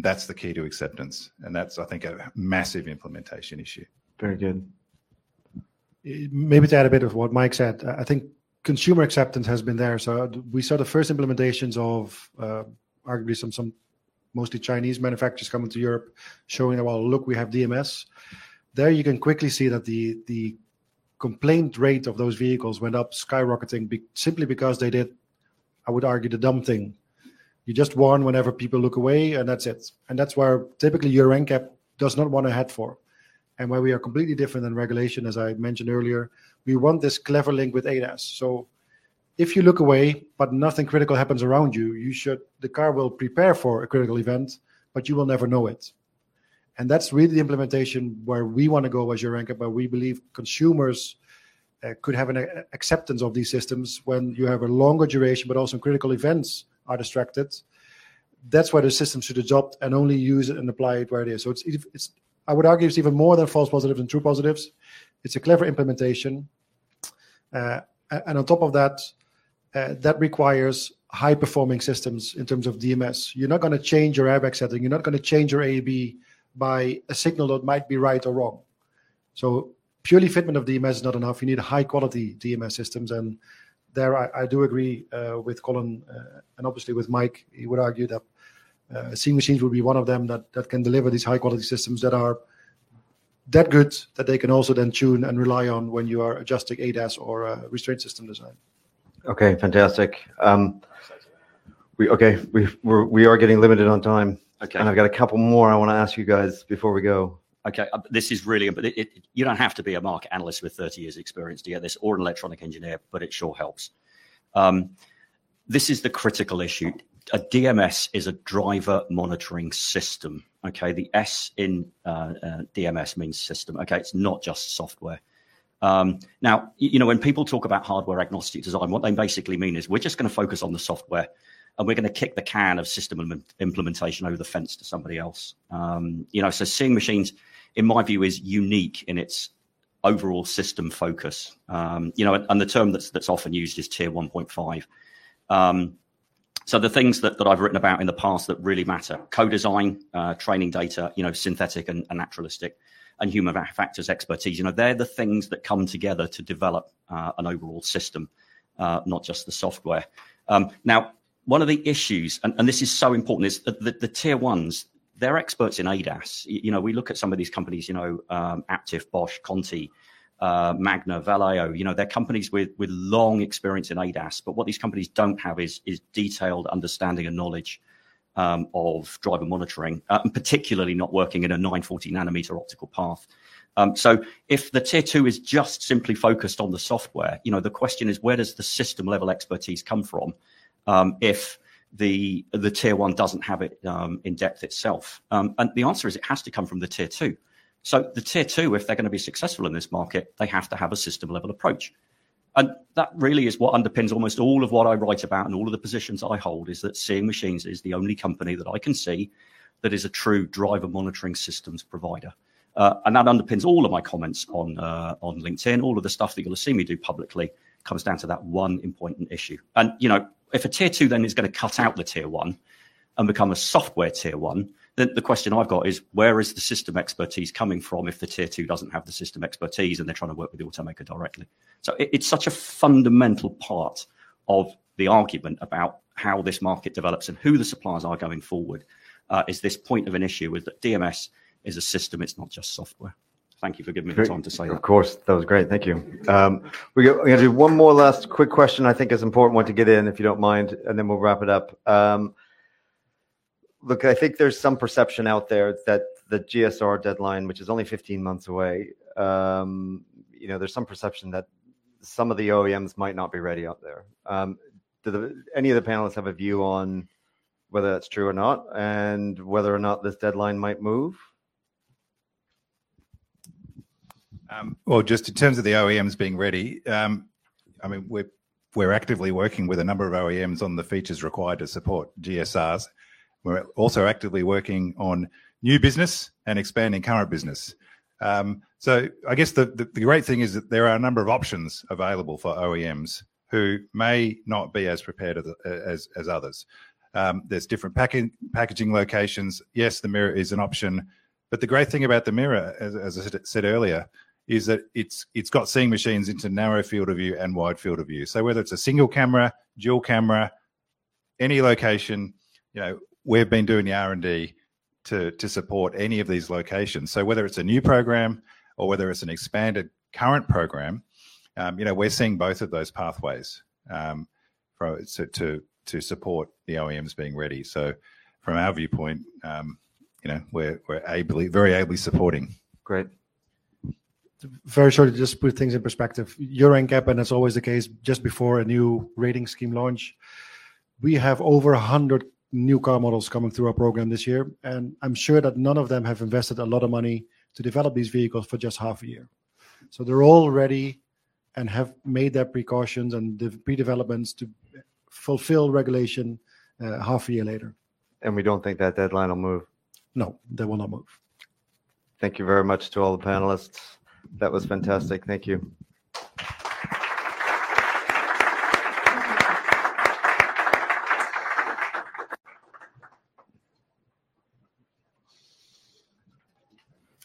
That is the key to acceptance. I think that is a massive implementation issue. Very good. Maybe to add a bit of what Mike said, I think consumer acceptance has been there. We saw the first implementations of, arguably, some mostly Chinese manufacturers coming to Europe showing that, well, look, we have DMS there. You can quickly see that the complaint rate of those vehicles went up skyrocketing simply because they did, I would argue, the dumb thing. You just warn whenever people look away and that is it. That's where typically your income does not want to head for. Where we are completely different than regulation, as I mentioned earlier, we want this clever link with ADAS. If you look away, but nothing critical happens around you, the car will prepare for a critical event, but you will never know it. That's really the implementation where we want to go as your anchor, but we believe consumers could have an acceptance of these systems when you have a longer duration, but also critical events are distracted. That's where the system should adapt and only use it and apply it where it is. I would argue it's even more than false positives and true positives. It's a clever implementation. On top of that, that requires high performing systems in terms of DMS. You're not gonna change your airbag setting. You're not gonna change your AB by a signal that might be right or wrong. So purely fitment of DMS is not enough. You need high quality DMS systems. And there, I do agree, with Colin, and obviously with Mike, he would argue that, Seeing Machines will be one of them that can deliver these high quality systems that are that good that they can also then tune and rely on when you are adjusting ADAS or restraint system design. Okay. Fantastic. We, okay, we are getting limited on time. Okay. And I've got a couple more I wanna ask you guys before we go. Okay. This is really, but it, you don't have to be a market analyst with 30 years experience to get this or an electronic engineer, but it sure helps. This is the critical issue. A DMS is a driver monitoring system. Okay. The S in DMS means system. Okay. It's not just software. Now, you know, when people talk about hardware agnostic design, what they basically mean is we're just gonna focus on the software and we're gonna kick the can of system implementation over the fence to somebody else. You know, so Seeing Machines, in my view, is unique in its overall system focus. You know, and the term that's often used is tier 1.5. So the things that I've written about in the past that really matter, co-design, training data, you know, synthetic and naturalistic and human factors expertise, you know, they're the things that come together to develop an overall system, not just the software. Now one of the issues, and this is so important, is that the tier ones, they're experts in ADAS. You know, we look at some of these companies, you know, Aptiv, Bosch, Conti, Magna, Valeo, you know, they're companies with, with long experience in ADAS. What these companies don't have is, is detailed understanding and knowledge, of driver monitoring, and particularly not working in a nine, 40 nanometer optical path. If the tier two is just simply focused on the software, you know, the question is, where does the system level expertise come from? If the, the tier one doesn't have it, in depth itself. The answer is it has to come from the tier two. So the tier two, if they're gonna be successful in this market, they have to have a system level approach. That really is what underpins almost all of what I write about and all of the positions I hold is that Seeing Machines is the only company that I can see that is a true driver monitoring systems provider. That underpins all of my comments on LinkedIn. All of the stuff that you'll see me do publicly comes down to that one important issue. You know, if a tier two then is gonna cut out the tier one and become a software tier one, then the question I've got is, where is the system expertise coming from if the tier two doesn't have the system expertise and they're trying to work with the automaker directly? It is such a fundamental part of the argument about how this market develops and who the suppliers are going forward. Is this point of an issue with that DMS is a system, it's not just software. Thank you for giving me the time to say that. Of course. That was great. Thank you. Here we go, we gotta do one more last quick question. I think it's an important one to get in, if you don't mind, and then we'll wrap it up. Look, I think there's some perception out there that the GSR deadline, which is only 15 months away, you know, there's some perception that some of the OEMs might not be ready out there. Do any of the panelists have a view on whether that's true or not and whether or not this deadline might move? Just in terms of the OEMs being ready, I mean, we're actively working with a number of OEMs on the features required to support GSRs. We're also actively working on new business and expanding current business. I guess the great thing is that there are a number of options available for OEMs who may not be as prepared as others. There's different packaging locations. Yes, the mirror is an option, but the great thing about the mirror, as I said earlier, is that it's got Seeing Machines into narrow field of view and wide field of view. So whether it's a single camera, dual camera, any location, you know, we've been doing the R&D to support any of these locations. Whether it's a new program or whether it's an expanded current program, you know, we're seeing both of those pathways to support the OEMs being ready. From our viewpoint, we're very ably supporting. Great. Very short to just put things in perspective. You're in GEP and it's always the case. Just before a new rating scheme launch, we have over 100 new car models coming through our program this year, and I'm sure that none of them have invested a lot of money to develop these vehicles for just half a year. They're all ready and have made their precautions and the pre-developments to fulfill regulation, half a year later. We don't think that deadline'll move. No, that will not move. Thank you very much to all the panelists. That was fantastic. Thank you.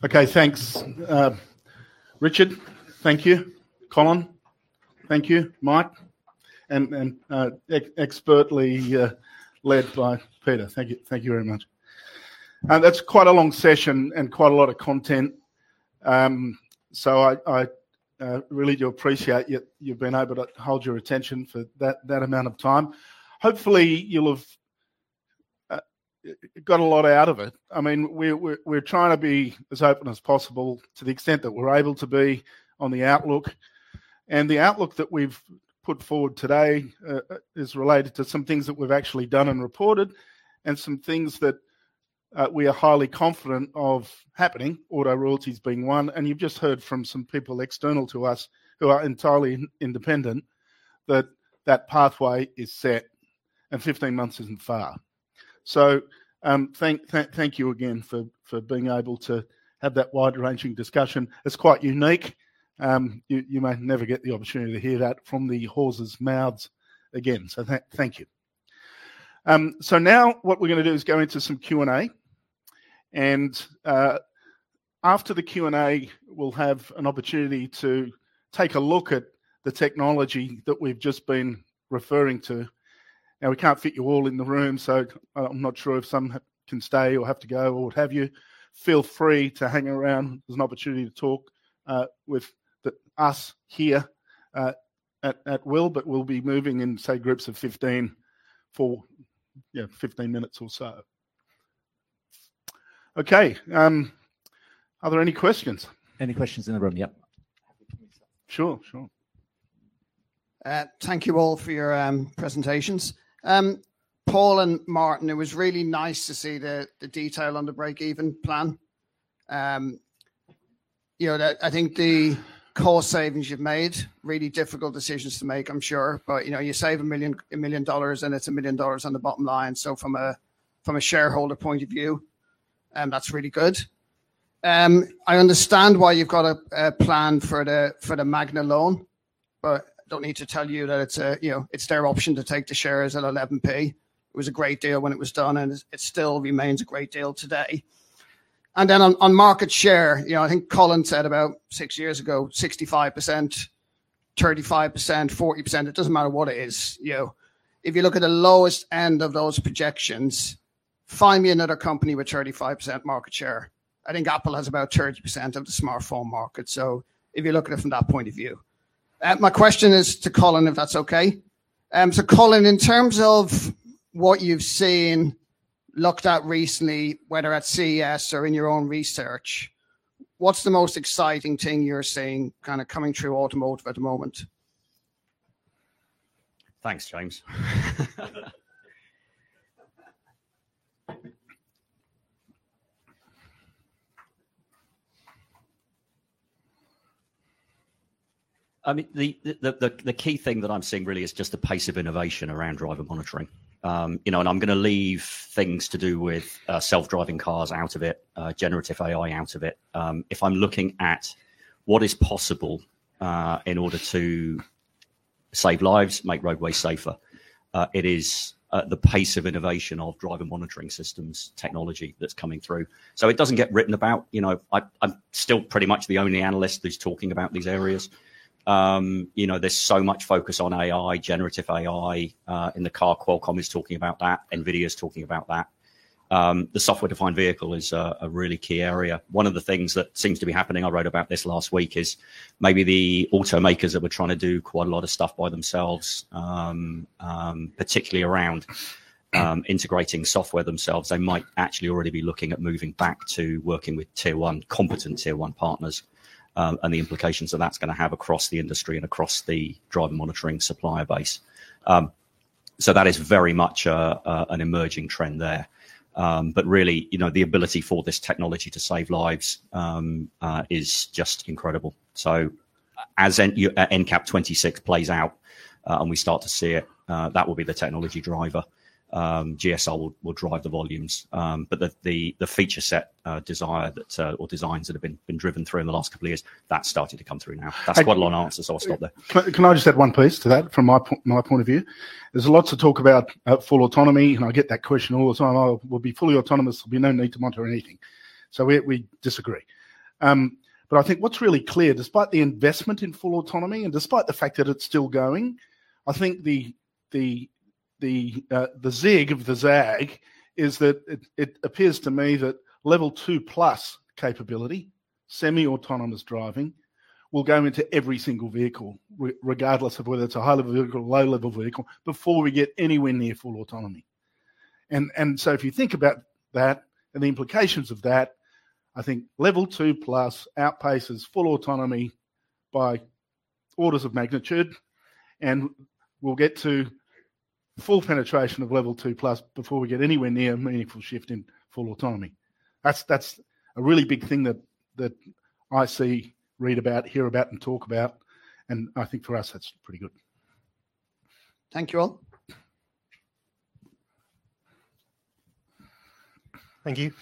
Okay. Thanks. Richard, thank you. Colin, thank you. Mike. And, expertly, led by Peter. Thank you. Thank you very much. That's quite a long session and quite a lot of content. I really do appreciate you, you've been able to hold your attention for that amount of time. Hopefully you'll have got a lot out of it. I mean, we're trying to be as open as possible to the extent that we're able to be on the outlook. The outlook that we've put forward today is related to some things that we've actually done and reported and some things that we are highly confident of happening, auto royalties being one. You've just heard from some people external to us who are entirely independent that that pathway is set and 15 months isn't far. Thank you again for being able to have that wide ranging discussion. It's quite unique. You may never get the opportunity to hear that from the horse's mouths again. Thank you. Now what we're gonna do is go into some Q and A and, after the Q and A, we'll have an opportunity to take a look at the technology that we've just been referring to. We can't fit you all in the room, so I'm not sure if some can stay or have to go or what have you. Feel free to hang around. There's an opportunity to talk with us here at will, but we'll be moving in, say, groups of 15 for, yeah, 15 minutes or so. Okay. Are there any questions? Any questions in the room? Yep. Sure. Sure. Thank you all for your presentations. Paul and Martin, it was really nice to see the detail under break even plan. You know, I think the core savings you've made, really difficult decisions to make, I'm sure. You know, you save a million, a million dollars and it's a million dollars on the bottom line. From a shareholder point of view, that's really good. I understand why you've got a plan for the Magna loan, but I don't need to tell you that it's their option to take the shares at 11p. It was a great deal when it was done, and it still remains a great deal today. On market share, I think Colin said about six years ago, 65%, 35%, 40%, it doesn't matter what it is. If you look at the lowest end of those projections, find me another company with 35% market share. I think Apple has about 30% of the smartphone market. If you look at it from that point of view, my question is to Colin, if that's okay. Colin, in terms of what you've seen, looked at recently, whether at CES or in your own research, what's the most exciting thing you're seeing kind of coming through automotive at the moment? Thanks, James. I mean, the key thing that I'm seeing really is just a pace of innovation around driver monitoring. You know, and I'm gonna leave things to do with self-driving cars out of it, generative AI out of it. If I'm looking at what is possible, in order to save lives, make roadways safer, it is the pace of innovation of driver monitoring systems technology that's coming through. It doesn't get written about. You know, I'm still pretty much the only analyst who's talking about these areas. You know, there's so much focus on AI, generative AI, in the car. Qualcomm is talking about that. NVIDIA's talking about that. The software-defined vehicle is a really key area. One of the things that seems to be happening, I wrote about this last week, is maybe the automakers that were trying to do quite a lot of stuff by themselves, particularly around integrating software themselves, might actually already be looking at moving back to working with tier one, competent tier one partners, and the implications that that's gonna have across the industry and across the driver monitoring supplier base. That is very much an emerging trend there. Really, you know, the ability for this technology to save lives is just incredible. As NCAP 26 plays out, and we start to see it, that will be the technology driver. GSR will drive the volumes. The feature set, desire that, or designs that have been driven through in the last couple of years, that's started to come through now. That's quite a long answer. I'll stop there. Can I just add one piece to that? From my point of view, there's lots of talk about full autonomy, and I get that question all the time. I'll, we'll be fully autonomous. There'll be no need to monitor anything. We disagree. I think what's really clear, despite the investment in full autonomy and despite the fact that it's still going, the zig of the zag is that it appears to me that level two plus capability, semi-autonomous driving, will go into every single vehicle, regardless of whether it's a high level vehicle or low level vehicle, before we get anywhere near full autonomy. If you think about that and the implications of that, I think level two plus outpaces full autonomy by orders of magnitude and we'll get to full penetration of level two plus before we get anywhere near a meaningful shift in full autonomy. That's a really big thing that I see, read about, hear about, and talk about. I think for us, that's pretty good. Thank you all. Thank you,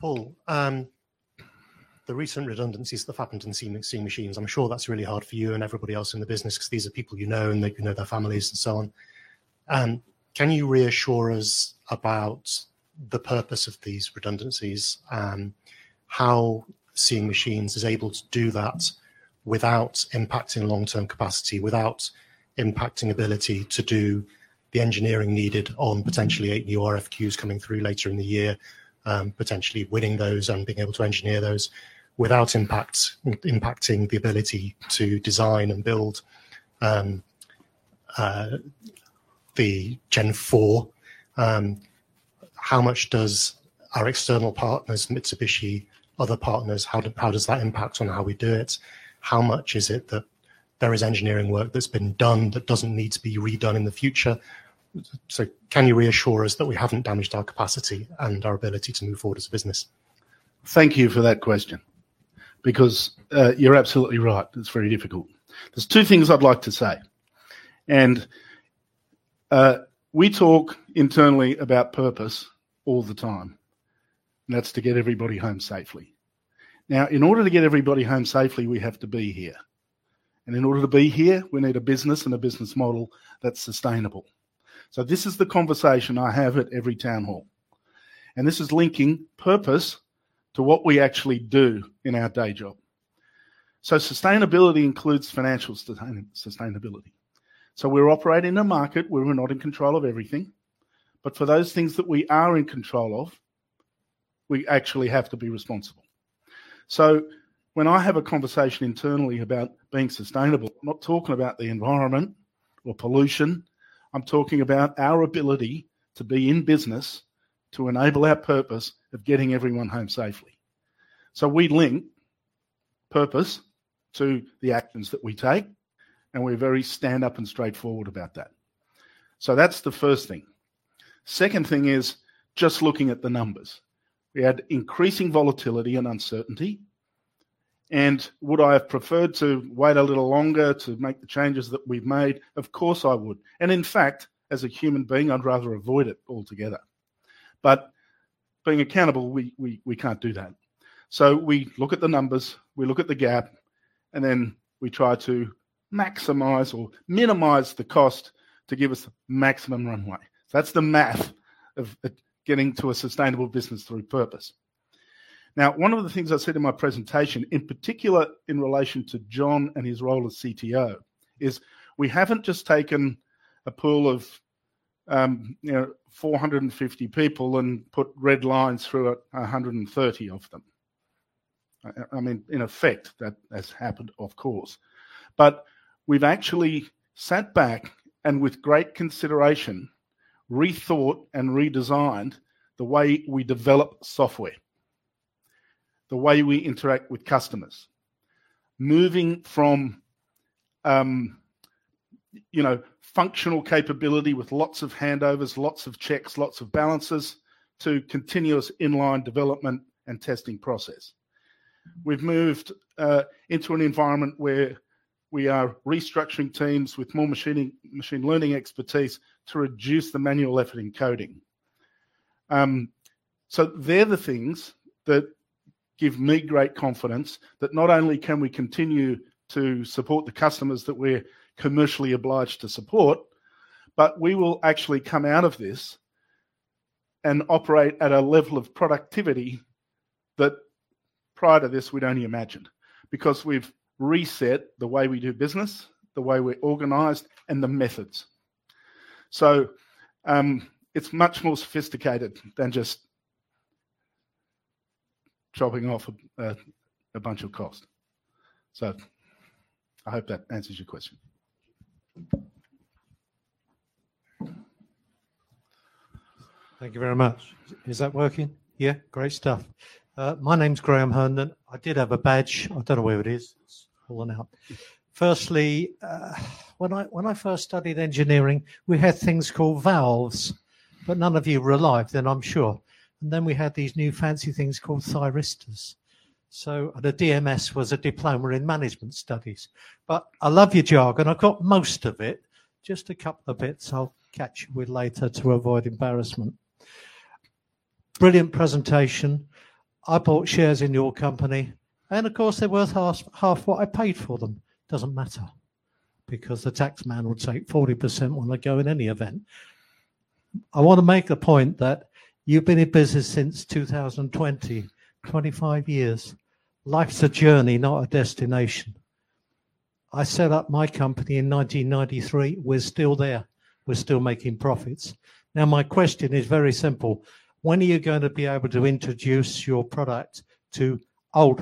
Paul. The recent redundancies, the fucking Seeing Machines, I'm sure that's really hard for you and everybody else in the business 'cause these are people you know and that you know their families and so on. Can you reassure us about the purpose of these redundancies? How Seeing Machines is able to do that without impacting long-term capacity, without impacting ability to do the engineering needed on potentially eight new RFQs coming through later in the year, potentially winning those and being able to engineer those without impact, impacting the ability to design and build the Gen four. How much does our external partners, Mitsubishi, other partners, how do, how does that impact on how we do it? How much is it that there is engineering work that's been done that doesn't need to be redone in the future? Can you reassure us that we have not damaged our capacity and our ability to move forward as a business? Thank you for that question because you are absolutely right. It is very difficult. There are two things I would like to say. We talk internally about purpose all the time, and that is to get everybody home safely. In order to get everybody home safely, we have to be here. In order to be here, we need a business and a business model that is sustainable. This is the conversation I have at every town hall, and this is linking purpose to what we actually do in our day job. Sustainability includes financial sustainability. We are operating in a market where we are not in control of everything, but for those things that we are in control of, we actually have to be responsible. When I have a conversation internally about being sustainable, I'm not talking about the environment or pollution. I'm talking about our ability to be in business to enable our purpose of getting everyone home safely. We link purpose to the actions that we take, and we are very stand up and straightforward about that. That's the first thing. The second thing is just looking at the numbers. We had increasing volatility and uncertainty. Would I have preferred to wait a little longer to make the changes that we've made? Of course I would. In fact, as a human being, I'd rather avoid it altogether. Being accountable, we can't do that. We look at the numbers, we look at the gap, and then we try to maximize or minimize the cost to give us the maximum runway. That's the math of getting to a sustainable business through purpose. Now, one of the things I said in my presentation, in particular in relation to John and his role as CTO, is we haven't just taken a pool of, you know, 450 people and put red lines through it, 130 of them. I mean, in effect, that has happened, of course, but we've actually sat back and with great consideration, rethought and redesigned the way we develop software, the way we interact with customers, moving from, you know, functional capability with lots of handovers, lots of checks, lots of balances to continuous inline development and testing process. We've moved into an environment where we are restructuring teams with more machine learning expertise to reduce the manual effort in coding. They're the things that give me great confidence that not only can we continue to support the customers that we are commercially obliged to support, but we will actually come out of this and operate at a level of productivity that prior to this we'd only imagined because we've reset the way we do business, the way we're organized, and the methods. It's much more sophisticated than just chopping off a bunch of cost. I hope that answers your question. Thank you very much. Is that working? Yeah. Great stuff. My name's Graham Herndon. I did have a badge. I dunno where it is. It's all in out. Firstly, when I first studied engineering, we had things called valves, but none of you were alive then, I'm sure. And then we had these new fancy things called thyristors. The DMS was a diploma in management studies. I love your jargon. I've got most of it, just a couple of bits I'll catch with later to avoid embarrassment. Brilliant presentation. I bought shares in your company, and of course they're worth half, half what I paid for them. Doesn't matter because the tax man will take 40% when I go in any event. I want to make a point that you've been in business since 2020, 25 years. Life's a journey, not a destination. I set up my company in 1993. We are still there. We're still making profits. Now my question is very simple. When are you going to be able to introduce your product to old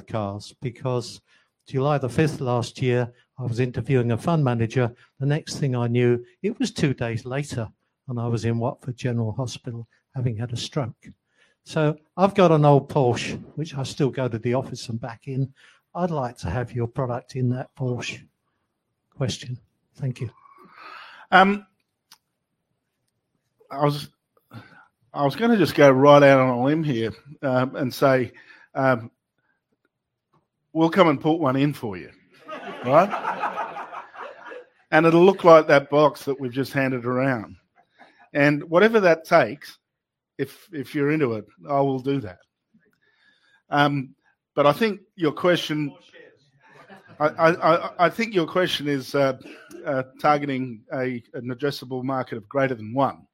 cars? Because July the 5th last year, I was interviewing a fund manager. The next thing I knew, it was two days later and I was in Watford General Hospital having had a stroke. So I've got an old Porsche, which I still go to the office and back in. I'd like to have your product in that Porsche question. Thank you. I was, I was just going to go right out on a limb here, and say, we'll come and put one in for you, right? And it'll look like that box that we've just handed around. And whatever that takes, if you're into it, I will do that. I think your question, I think your question is, targeting a, an addressable market of greater than one.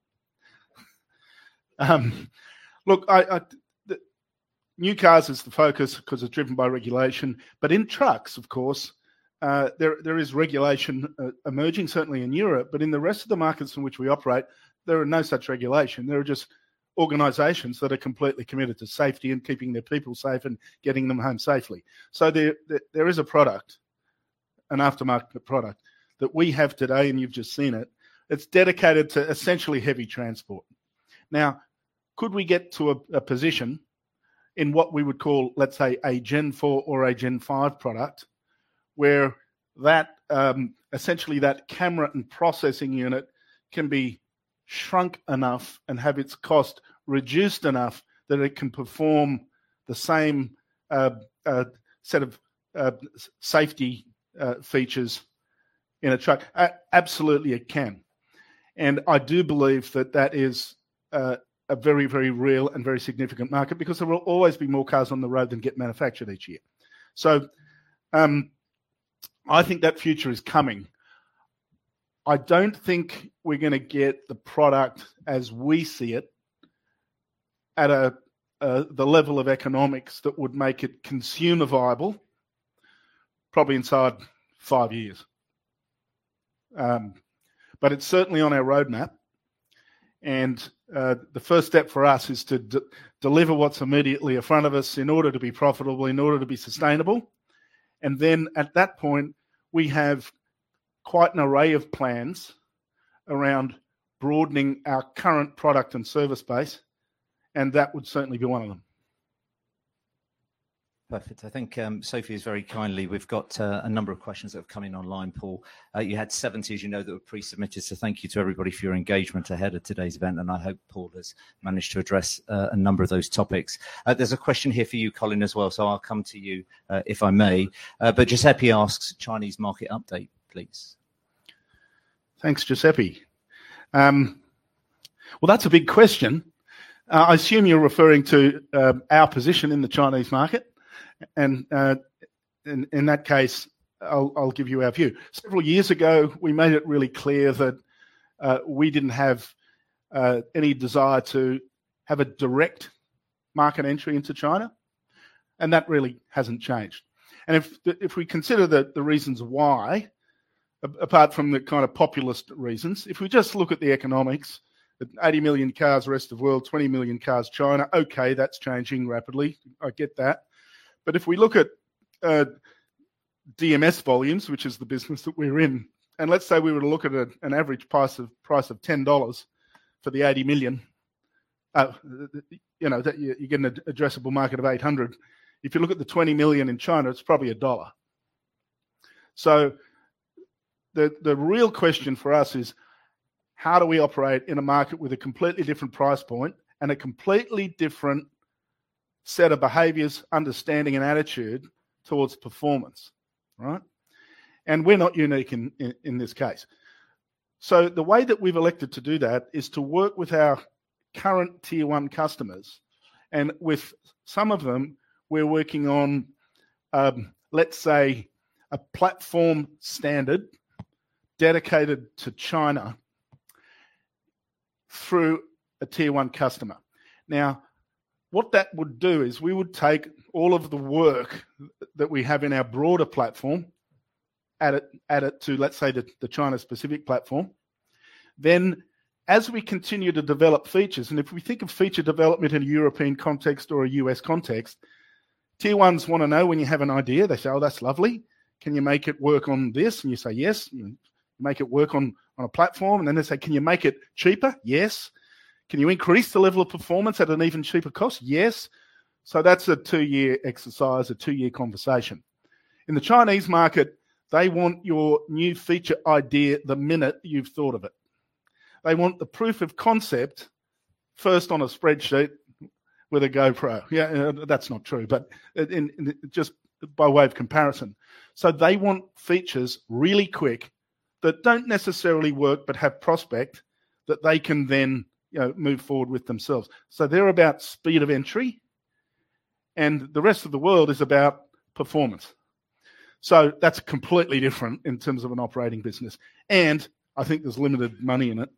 Look, the new cars is the focus 'cause it's driven by regulation, but in trucks, of course, there is regulation emerging certainly in Europe, but in the rest of the markets in which we operate, there are no such regulation. There are just organizations that are completely committed to safety and keeping their people safe and getting them home safely. There is a product, an aftermarket product that we have today, and you've just seen it. It's dedicated to essentially heavy transport. Now, could we get to a position in what we would call, let's say, a Gen 4 or a Gen 5 product where that, essentially that camera and processing unit can be shrunk enough and have its cost reduced enough that it can perform the same set of safety features in a truck? Absolutely, it can. I do believe that that is a very, very real and very significant market because there will always be more cars on the road than get manufactured each year. I think that future is coming. I don't think we are gonna get the product as we see it at a, the level of economics that would make it consumer viable probably inside five years. It's certainly on our roadmap. The first step for us is to deliver what's immediately in front of us in order to be profitable, in order to be sustainable. At that point, we have quite an array of plans around broadening our current product and service base, and that would certainly be one of them. Perfect. I think Sophie is very kindly. We've got a number of questions that have come in online, Paul. You had 70, as you know, that were pre-submitted. Thank you to everybody for your engagement ahead of today's event. I hope Paul has managed to address a number of those topics. There is a question here for you, Colin, as well. I will come to you, if I may. Giuseppe asks, Chinese market update, please. Thanks, Giuseppe. That is a big question. I assume you are referring to our position in the Chinese market. In that case, I will give you our view. Several years ago, we made it really clear that we did not have any desire to have a direct market entry into China, and that really has not changed. If we consider the reasons why, apart from the kind of populist reasons, if we just look at the economics, 80 million cars, rest of world, 20 million cars, China, okay, that's changing rapidly. I get that. If we look at DMS volumes, which is the business that we are in, and let's say we were to look at an average price of $10 for the 80 million, you know, that you're getting an addressable market of 800. If you look at the 20 million in China, it's probably a dollar. The real question for us is, how do we operate in a market with a completely different price point and a completely different set of behaviors, understanding, and attitude towards performance, right? We are not unique in this case. The way that we've elected to do that is to work with our current tier one customers. With some of them, we are working on, let's say, a platform standard dedicated to China through a tier one customer. What that would do is we would take all of the work that we have in our broader platform, add it to, let's say, the China specific platform. As we continue to develop features, and if we think of feature development in a European context or a US context, tier ones wanna know when you have an idea, they say, oh, that's lovely. Can you make it work on this? You say, yes, you make it work on a platform. Then they say, can you make it cheaper? Yes. Can you increase the level of performance at an even cheaper cost? Yes. That's a two-year exercise, a two-year conversation. In the Chinese market, they want your new feature idea the minute you've thought of it. They want the proof of concept first on a spreadsheet with a GoPro. Yeah, that's not true, but just by way of comparison. They want features really quick that don't necessarily work but have prospect that they can then, you know, move forward with themselves. They're about speed of entry, and the rest of the world is about performance. That's completely different in terms of an operating business. I think there's limited money in it,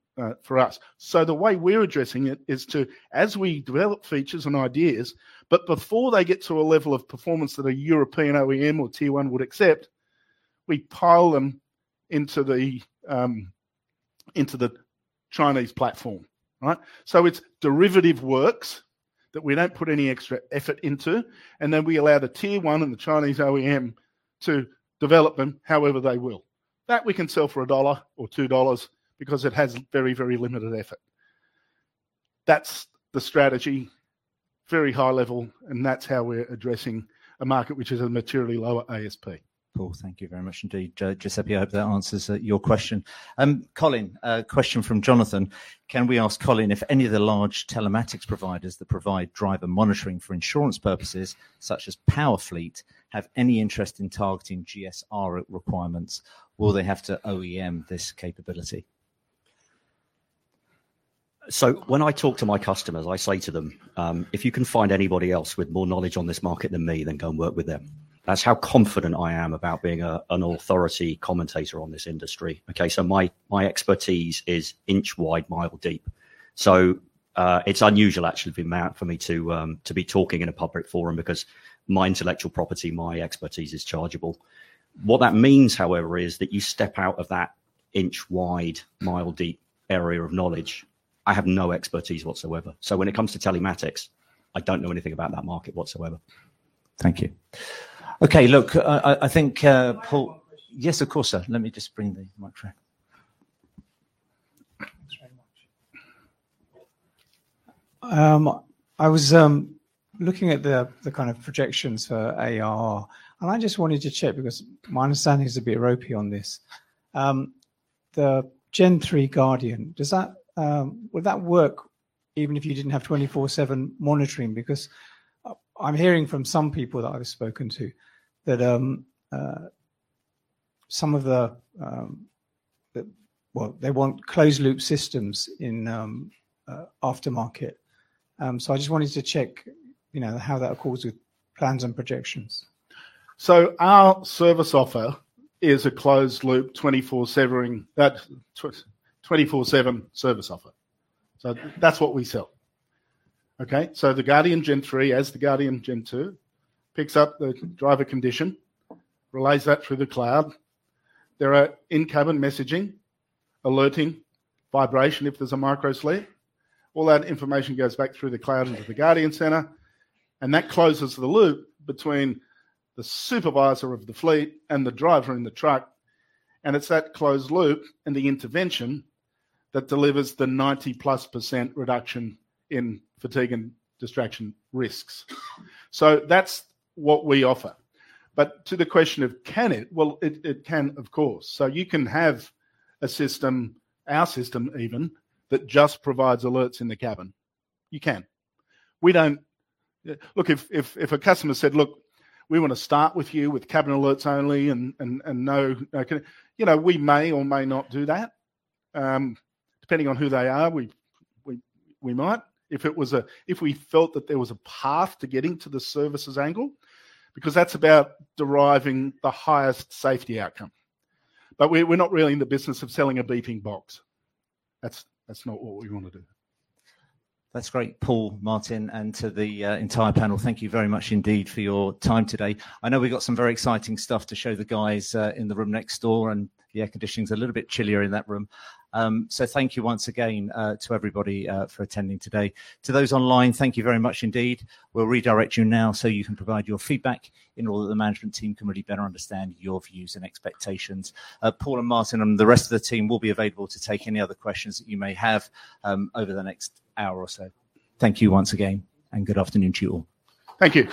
for us. The way we are addressing it is to, as we develop features and ideas, but before they get to a level of performance that a European OEM or tier one would accept, we pile them into the Chinese platform, right? It's derivative works that we don't put any extra effort into, and then we allow the tier one and the Chinese OEM to develop them however they will. That we can sell for $1 or $2 because it has very, very limited effort. That's the strategy, very high level, and that's how we are addressing a market which is a materially lower ASP. Cool. Thank you very much indeed, Giuseppe. I hope that answers your question. Colin, a question from Jonathan. Can we ask Colin, if any of the large telematics providers that provide driver monitoring for insurance purposes, such as PowerFleet, have any interest in targeting GSR requirements, will they have to OEM this capability? When I talk to my customers, I say to them, if you can find anybody else with more knowledge on this market than me, then go and work with them. That's how confident I am about being a, an authority commentator on this industry. Okay? My expertise is inch wide, mile deep. It's unusual actually for me to be talking in a public forum because my intellectual property, my expertise is chargeable. What that means, however, is that you step out of that inch wide, mile deep area of knowledge. I have no expertise whatsoever. When it comes to telematics, I don't know anything about that market whatsoever. Thank you. Okay. Look, I think, Paul, yes, of course, sir. Let me just bring the microphone. I was looking at the kind of projections for AR, and I just wanted to check because my understanding is a bit ropey on this. The Gen 3 Guardian, does that, would that work even if you didn't have 24/7 monitoring? Because I'm hearing from some people that I've spoken to that, some of the, well, they want closed loop systems in aftermarket. I just wanted to check, you know, how that accords with plans and projections. Our service offer is a closed loop 24/7, that 24/7 service offer. That's what we sell. Okay? The Guardian Gen three, as the Guardian Gen two, picks up the driver condition, relays that through the cloud. There are in-cabin messaging, alerting, vibration. If there's a micro slip, all that information goes back through the cloud into the Guardian center, and that closes the loop between the supervisor of the fleet and the driver in the truck. It's that closed loop and the intervention that delivers the 90+% reduction in fatigue and distraction risks. That's what we offer. To the question of can it, it can, of course. You can have a system, our system even, that just provides alerts in the cabin. You can. We don't, look, if a customer said, look, we wanna start with you with cabin alerts only and no, no, can, you know, we may or may not do that depending on who they are, we might. If it was a, if we felt that there was a path to getting to the services angle, because that's about deriving the highest safety outcome. We're not really in the business of selling a beeping box. That's not what we wanna do. That's great, Paul, Martin, and to the entire panel, thank you very much indeed for your time today. I know we've got some very exciting stuff to show the guys in the room next door, and the air conditioning's a little bit chillier in that room. Thank you once again to everybody for attending today. To those online, thank you very much indeed. We'll redirect you now so you can provide your feedback in order that the management team can really better understand your views and expectations. Paul and Martin and the rest of the team will be available to take any other questions that you may have over the next hour or so. Thank you once again, and good afternoon to you all. Thank you.